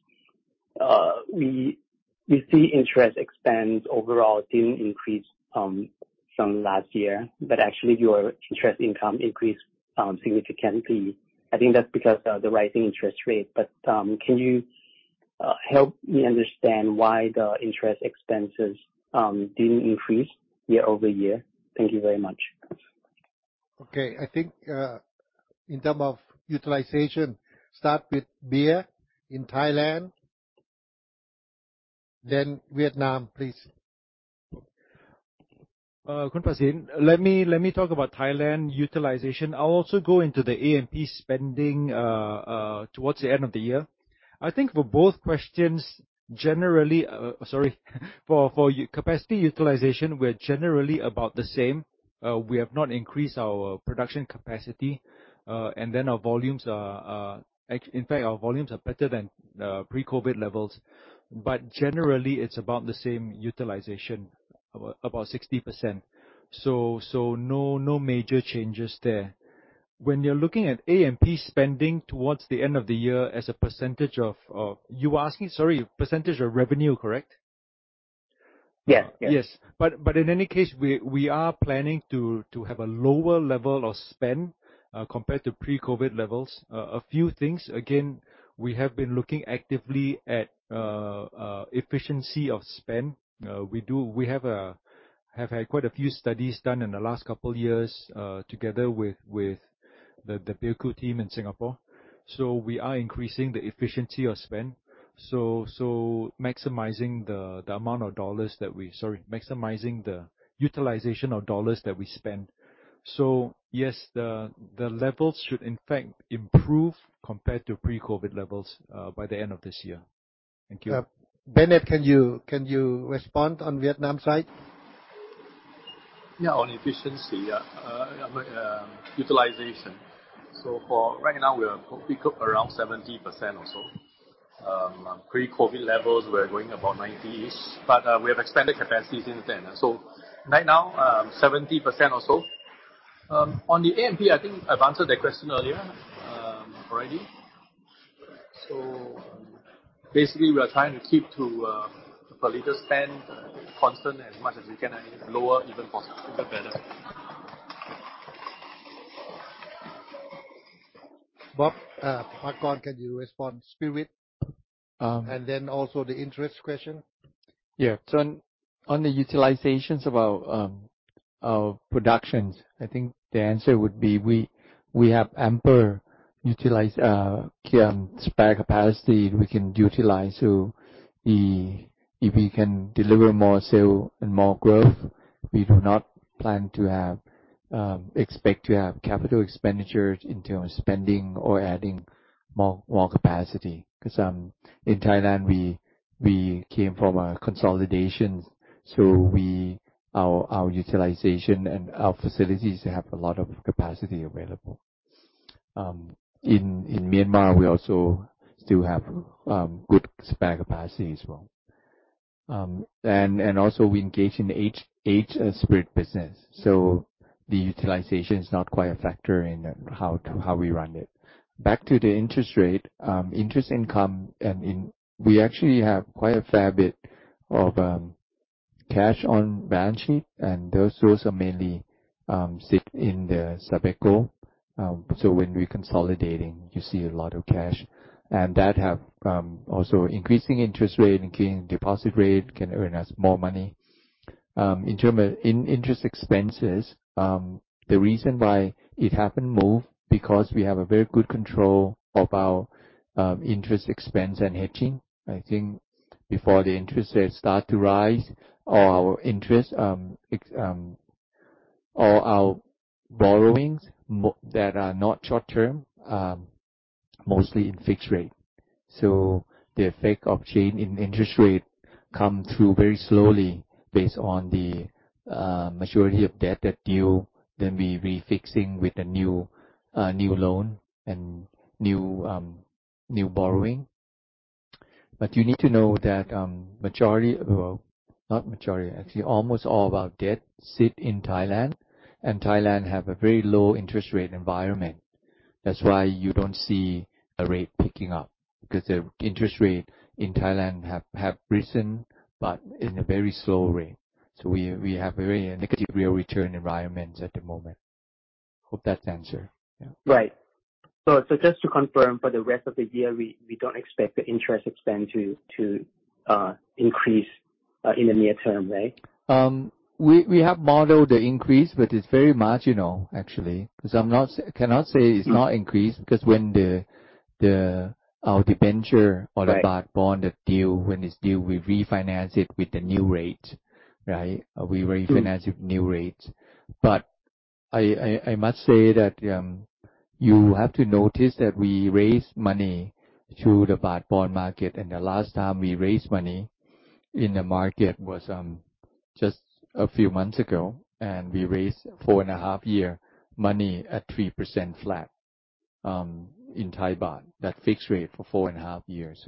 we see interest expense overall didn't increase, from last year, but actually your interest income increased, significantly. I think that's because of the rising interest rate. Can you, help me understand why the interest expenses, didn't increase year-over-year? Thank you very much. Okay. I think, in terms of utilization, start with beer in Thailand, then Vietnam, please. Phasin, let me talk about Thailand utilization. I'll also go into the A&P spending towards the end of the year. I think for both questions, generally... Sorry. For capacity utilization, we're generally about the same. We have not increased our production capacity. Our volumes are... In fact, our volumes are better than pre-COVID levels. Generally, it's about the same utilization, about 60%. No major changes there. When you're looking at A&P spending towards the end of the year as a % of... You're asking, sorry, % of revenue, correct? Yeah. Yes. Yes. In any case, we are planning to have a lower level of spend compared to pre-COVID levels. A few things, again, we have been looking actively at efficiency of spend. We have had quite a few studies done in the last couple years together with the BeerCo team in Singapore. We are increasing the efficiency of spend. Sorry, maximizing the utilization of $ that we spend. Yes, the levels should in fact improve compared to pre-COVID levels by the end of this year. Thank you. Bennett, can you respond on Vietnam side? On efficiency utilization. For right now we are completely around 70% or so. Pre-COVID levels we're going about 90-ish, but we have expanded capacity since then. Right now, 70% or so. On the A&P, I think I've answered that question earlier already. Basically we are trying to keep to per liter spend constant as much as we can and lower even better. Bob, Pakorn, can you respond spirit? Um- Also the interest question. On the utilizations of our productions, I think the answer would be we have ample utilized key and spare capacity we can utilize. If we can deliver more sale and more growth, we do not plan to have expect to have capital expenditures in terms of spending or adding more capacity. 'Cause in Thailand we came from a consolidation. Our utilization and our facilities have a lot of capacity available. In Myanmar we also still have good spare capacity as well. Also we engage in aged spirit business, so the utilization is not quite a factor in how we run it. Back to the interest rate, interest income and in. We actually have quite a fair bit of cash on balance sheet and those sorts are mainly sit in the SABECO. When reconsolidating, you see a lot of cash. That have also increasing interest rate, increasing deposit rate, can earn us more money. In term of interest expenses, the reason why it haven't moved, because we have a very good control of our interest expense and hedging. I think before the interest rates start to rise or our interest or our borrowings that are not short-term, mostly in fixed rate. The effect of change in interest rate come through very slowly based on the maturity of debt that due, then we re-fixing with a new loan and new borrowing. You need to know that, well, not majority, actually, almost all of our debt sits in Thailand, and Thailand has a very low interest rate environment. That's why you don't see a rate picking up, because the interest rate in Thailand has risen but in a very slow rate. We have a very negative real return environment at the moment. Hope that answers. Yeah. Right. Just to confirm, for the rest of the year, we don't expect the interest expense to increase in the near term, right? We have modeled the increase, but it's very marginal actually. Cause cannot say it's not increased. Mm-hmm. When the our. Right. The baht bond that due, when it's due, we refinance it with the new rate, right? We refinance with new rates. I must say that you have to notice that we raise money through the baht bond market, and the last time we raised money in the market was just a few months ago, and we raised four and a half year money at 3% flat in Thai baht. That fixed rate for four and a half years.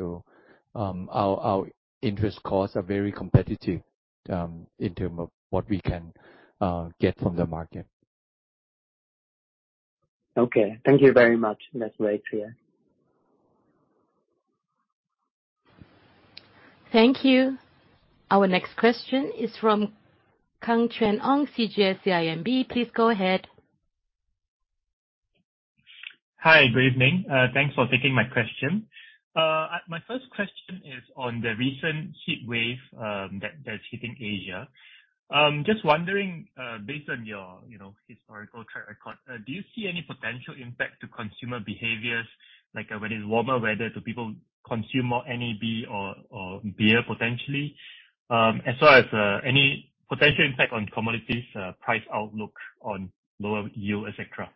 Our interest costs are very competitive in term of what we can get from the market. Okay. Thank you very much. That's very clear. Thank you. Our next question is from Kang Chuan Ong, CGS-CIMB. Please go ahead. Hi. Good evening. Thanks for taking my question. My first question is on the recent heat wave that's hitting Asia. Just wondering, based on your, you know, historical track record, do you see any potential impact to consumer behaviors, like, when it's warmer weather, do people consume more NAB or beer potentially? As well as any potential impact on commodities, price outlook on lower yield, et cetera.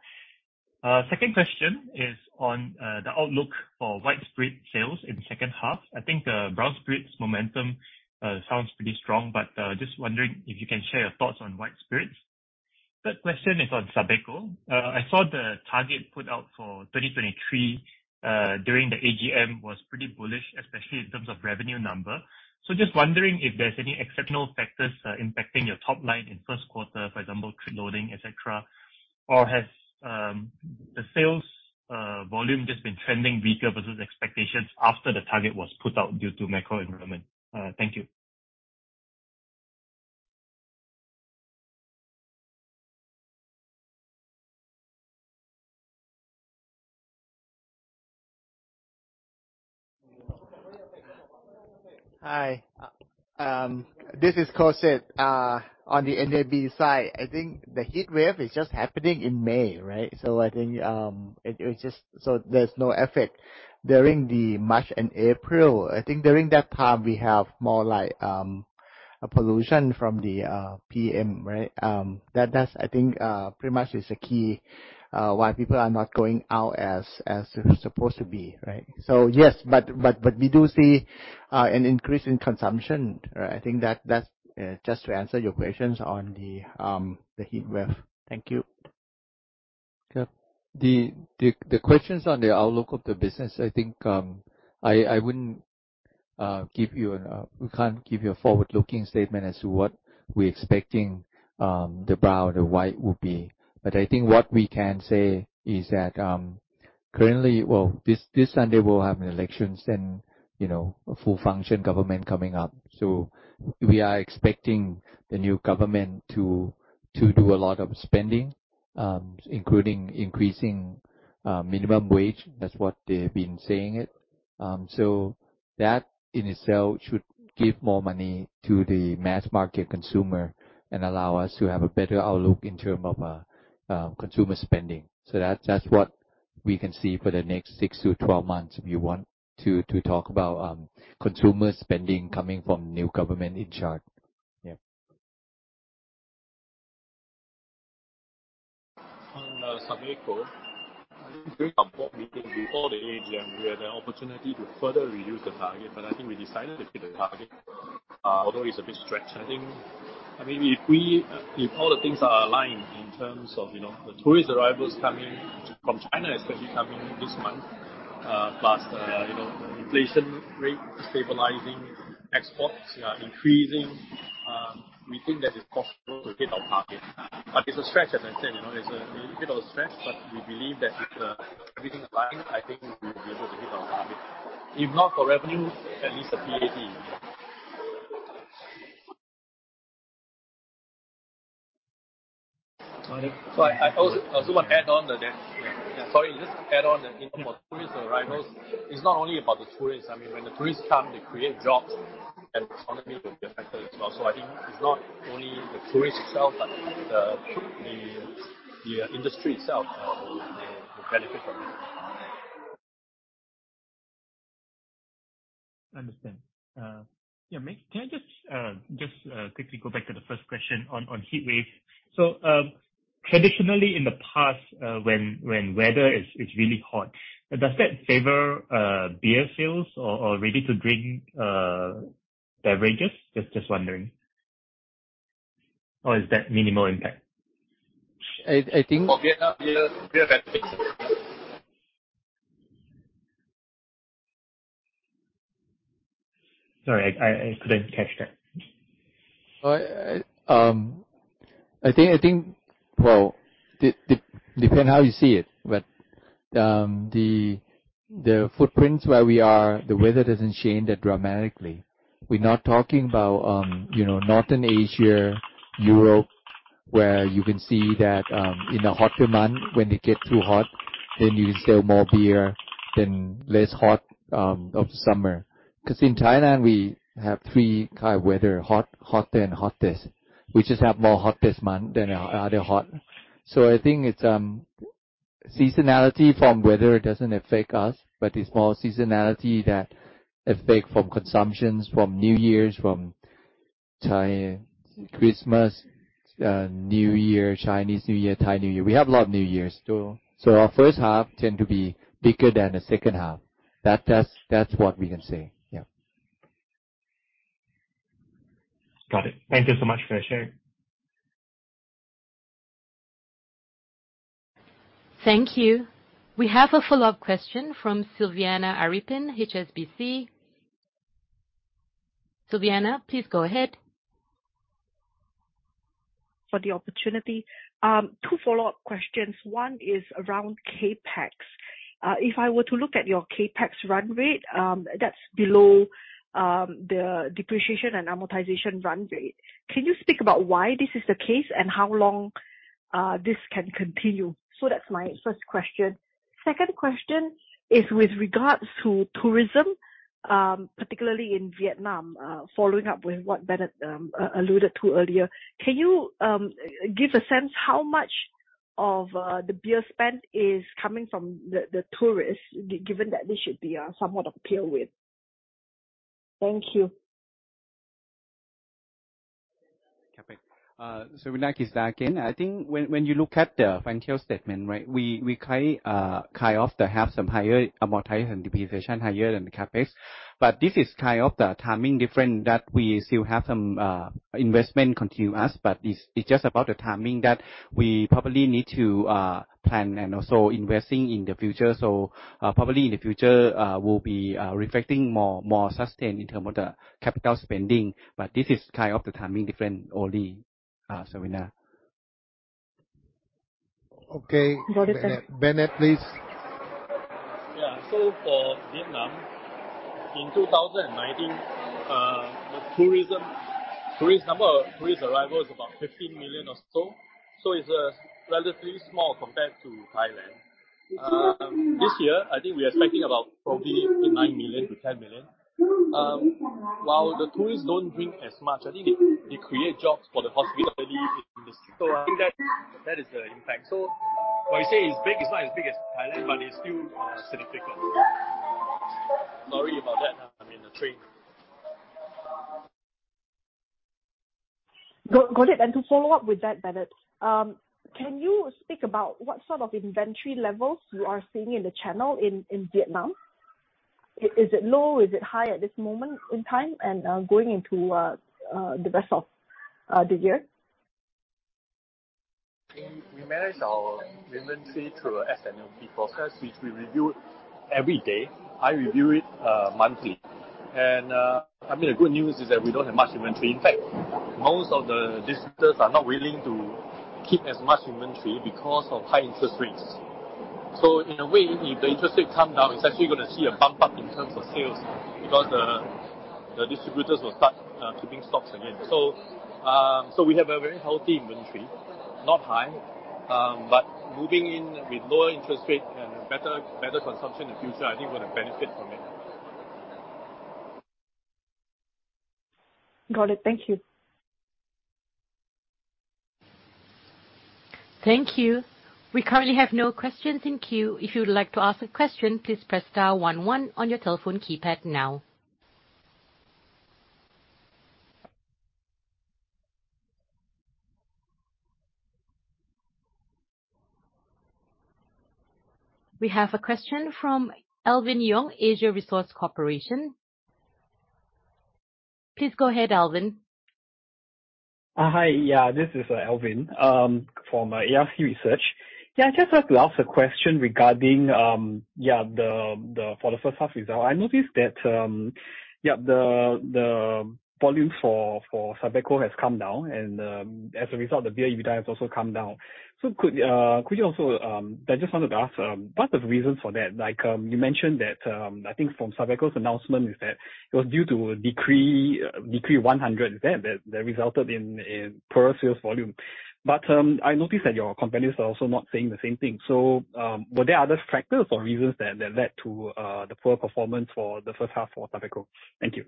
Second question is on the outlook for white spirit sales in the second half. I think the brown spirits momentum sounds pretty strong, but just wondering if you can share your thoughts on white spirits. Third question is on SABECO. I saw the target put out for 2023 during the AGM was pretty bullish, especially in terms of revenue number. Just wondering if there's any exceptional factors impacting your top line in first quarter, for example, trip loading, et cetera, or has the sales volume just been trending weaker versus expectations after the target was put out due to macro environment? Thank you. Hi. This is Kosit. On the NAB side, I think the heat wave is just happening in May, right? I think it just there's no effect during the March and April. I think during that time, we have more like pollution from the PM, right? That's, I think, pretty much is the key why people are not going out as supposed to be, right? Yes, but we do see an increase in consumption. I think that's just to answer your questions on the heat wave. Thank you. The questions on the outlook of the business, I think, we can't give you a forward-looking statement as to what we're expecting, the brown or the white will be. I think what we can say is that, currently, well, this Sunday we'll have an elections and, you know, a full function government coming up. We are expecting the new government to do a lot of spending, including increasing minimum wage. That's what they've been saying it. So that in itself should give more money to the mass market consumer and allow us to have a better outlook in term of consumer spending. That's what we can see for the next six-12 months if you want to talk about consumer spending coming from new government in charge. Yeah. On SABECO, I think during our board meeting before the AGM, we had an opportunity to further reduce the target. I think we decided to hit the target, although it's a bit stretched. I mean, if we, if all the things are aligned in terms of, you know, the tourist arrivals coming from China, especially coming this month, plus the, you know, the inflation rate stabilizing, exports, yeah, increasing, we think that it's possible to hit our target. It's a stretch, as I said, you know. It's a little bit of a stretch, we believe that if everything align, I think we will be able to hit our target. If not for revenue, at least the PAT. I also want to add on that. Sorry, just add on that, you know, for tourist arrivals, it's not only about the tourists. I mean, when the tourists come, they create jobs and the economy will be affected as well. I think it's not only the tourists itself, but the industry itself will benefit from this. Understand. Yeah, Mick, can I just quickly go back to the first question on heat wave? Traditionally in the past, when weather is really hot, does that favor beer sales or ready-to-drink beverages? Just wondering. Or is that minimal impact? I, I think- For Vietnam, beer. Sorry, I couldn't catch that. I think, well, depend how you see it, but the footprints where we are, the weather doesn't change that dramatically. We're not talking about, you know, Northern Asia, Europe, where you can see that in the hotter month, when it get too hot, then you sell more beer than less hot of summer. 'Cause in Thailand, we have three kind of weather, hot, hotter, and hottest. We just have more hottest month than other hot. I think it's seasonality from weather doesn't affect us, but it's more seasonality that affect from consumptions from New Year's, from Christmas, New Year, Chinese New Year, Thai New Year. We have a lot of New Years too. Our first half tend to be bigger than the second half. That's what we can say. Yeah. Got it. Thank you so much for sharing. Thank you. We have a follow-up question from Selviana Aripin, HSBC. Selviana, please go ahead. For the opportunity. Two follow-up questions. One is around CapEx. If I were to look at your CapEx run rate, that's below the depreciation and amortization run rate. Can you speak about why this is the case and how long this can continue? That's my first question. Second question is with regards to tourism, particularly in Vietnam, following up with what Bennett alluded to earlier. Can you give a sense how much of the beer spent is coming from the tourists, given that this should be somewhat of a tailwind? Thank you. Savina, can start again. I think when you look at the financial statement, right? We kind of have some higher amortization and depreciation higher than the CapEx. this is kind of the timing different that we still have some investment continuous, but it's just about the timing that we probably need to plan and also investing in the future. probably in the future, we'll be reflecting more sustained in term of the capital spending. this is kind of the timing different only, Savina. Okay. Got it, thanks. Bennett, please. Yeah. For Vietnam, in 2019, the tourist number, tourist arrival is about 15 million or so. It's relatively small compared to Thailand. This year, I think we are expecting about probably 9 million to 10 million. While the tourists don't drink as much, I think they create jobs for the hospitality industry. I think that is the impact. When you say it's big, it's not as big as Thailand, but it's still significant. Sorry about that. I'm in a train. Got it. To follow up with that, Bennett, can you speak about what sort of inventory levels you are seeing in the channel in Vietnam? Is it low? Is it high at this moment in time and going into the rest of the year? We manage our inventory through a S&OP process, which we review every day. I review it monthly. I mean, the good news is that we don't have much inventory. In fact, most of the distributors are not willing to keep as much inventory because of high interest rates. In a way, if the interest rate come down, it's actually gonna see a bump up in terms of sales because the distributors will start keeping stocks again. So we have a very healthy inventory, not high. Moving in with lower interest rate and better consumption in the future, I think we're gonna benefit from it. Got it. Thank you. Thank you. We currently have no questions in queue. If you would like to ask a question, please press star one one on your telephone keypad now. We have a question from Alvin Yong, Asia Resource Corporation. Please go ahead, Alvin. Hi. This is Alvin from ARC Research. I'd just like to ask a question regarding for the first half result. I noticed that volume for Sabeco has come down and as a result, the beer unit has also come down. I just wanted to ask what are the reasons for that? You mentioned that I think from Sabeco's announcement is that it was due to a decree, Decree 100. Is that resulted in poor sales volume? I noticed that your competitors are also not saying the same thing. Were there other factors or reasons that led to the poor performance for the first half for Sabeco? Thank you.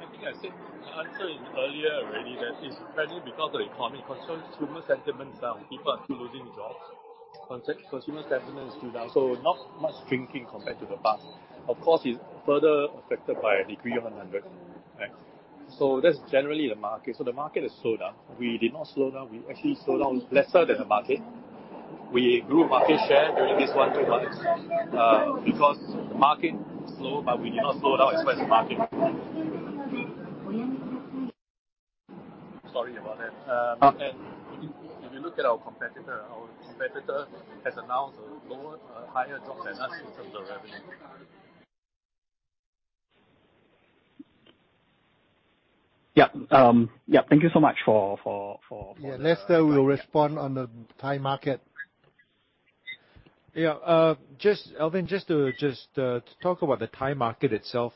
I think I said the answer in earlier already that it's mainly because of the economy. Consumer sentiment is down. People are still losing jobs. Consumer sentiment is still down. Not much drinking compared to the past. Of course, it's further affected by Decree 100, right? That's generally the market. The market has slowed down. We did not slow down. We actually slowed down lesser than the market. We grew market share during this 1, 2 quarters, because market slowed, but we did not slow down as well as the market. Sorry about that. If you look at our competitor, our competitor has announced a lower, higher drop than us in terms of revenue. Yeah. Yeah. Thank you so much for. Yeah. Lester will respond on the Thai market. Alvin, just to talk about the Thai market itself.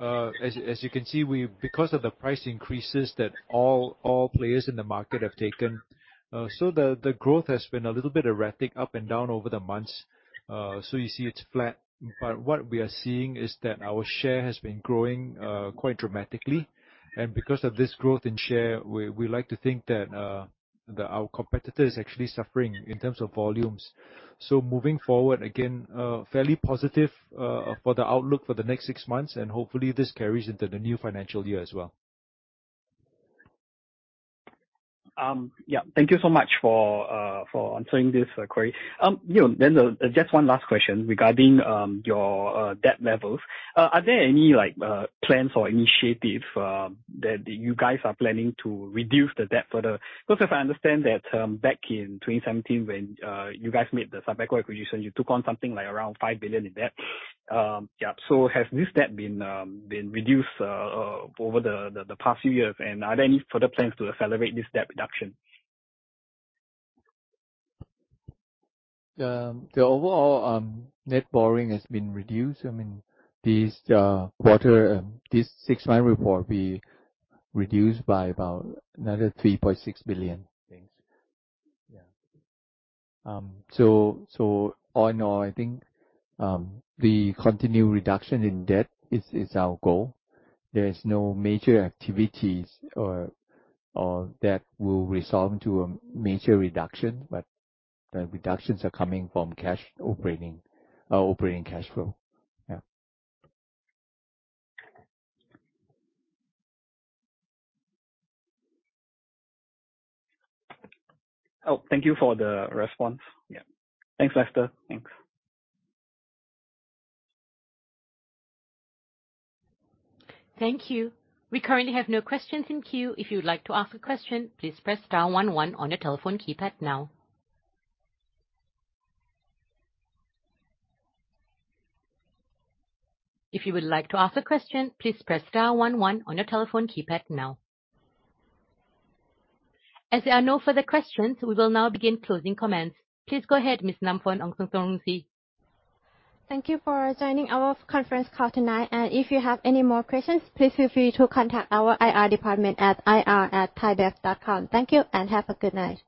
As you can see, because of the price increases that all players in the market have taken, the growth has been a little bit erratic, up and down over the months. You see it's flat. What we are seeing is that our share has been growing quite dramatically. Because of this growth in share, we like to think that our competitor is actually suffering in terms of volumes. Moving forward, again, fairly positive for the outlook for the next six months, hopefully this carries into the new financial year as well. Yeah. Thank you so much for answering this query. You know, just one last question regarding your debt levels. Are there any, like, plans or initiative that you guys are planning to reduce the debt further? If I understand that, back in 2017 when you guys made the SABECO acquisition, you took on something like around 5 billion in debt. Yeah, has this debt been reduced over the past few years, and are there any further plans to accelerate this debt reduction? The overall net borrowing has been reduced. I mean, this quarter, this six-month report, we reduced by about another 3.6 billion. Thanks. All in all, I think, the continued reduction in debt is our goal. There is no major activities or that will resolve into a major reduction, but the reductions are coming from cash operating cash flow. Thank you for the response. Yeah. Thanks, Lester. Thanks. Thank you. We currently have no questions in queue. If you would like to ask a question, please press star one one on your telephone keypad now. If you would like to ask a question, please press star one one on your telephone keypad now. As there are no further questions, we will now begin closing comments. Please go ahead, Ms. Namfon Aungsutornrungsi. Thank you for joining our conference call tonight. If you have any more questions, please feel free to contact our IR department at ir@thaibev.com. Thank you and have a good night.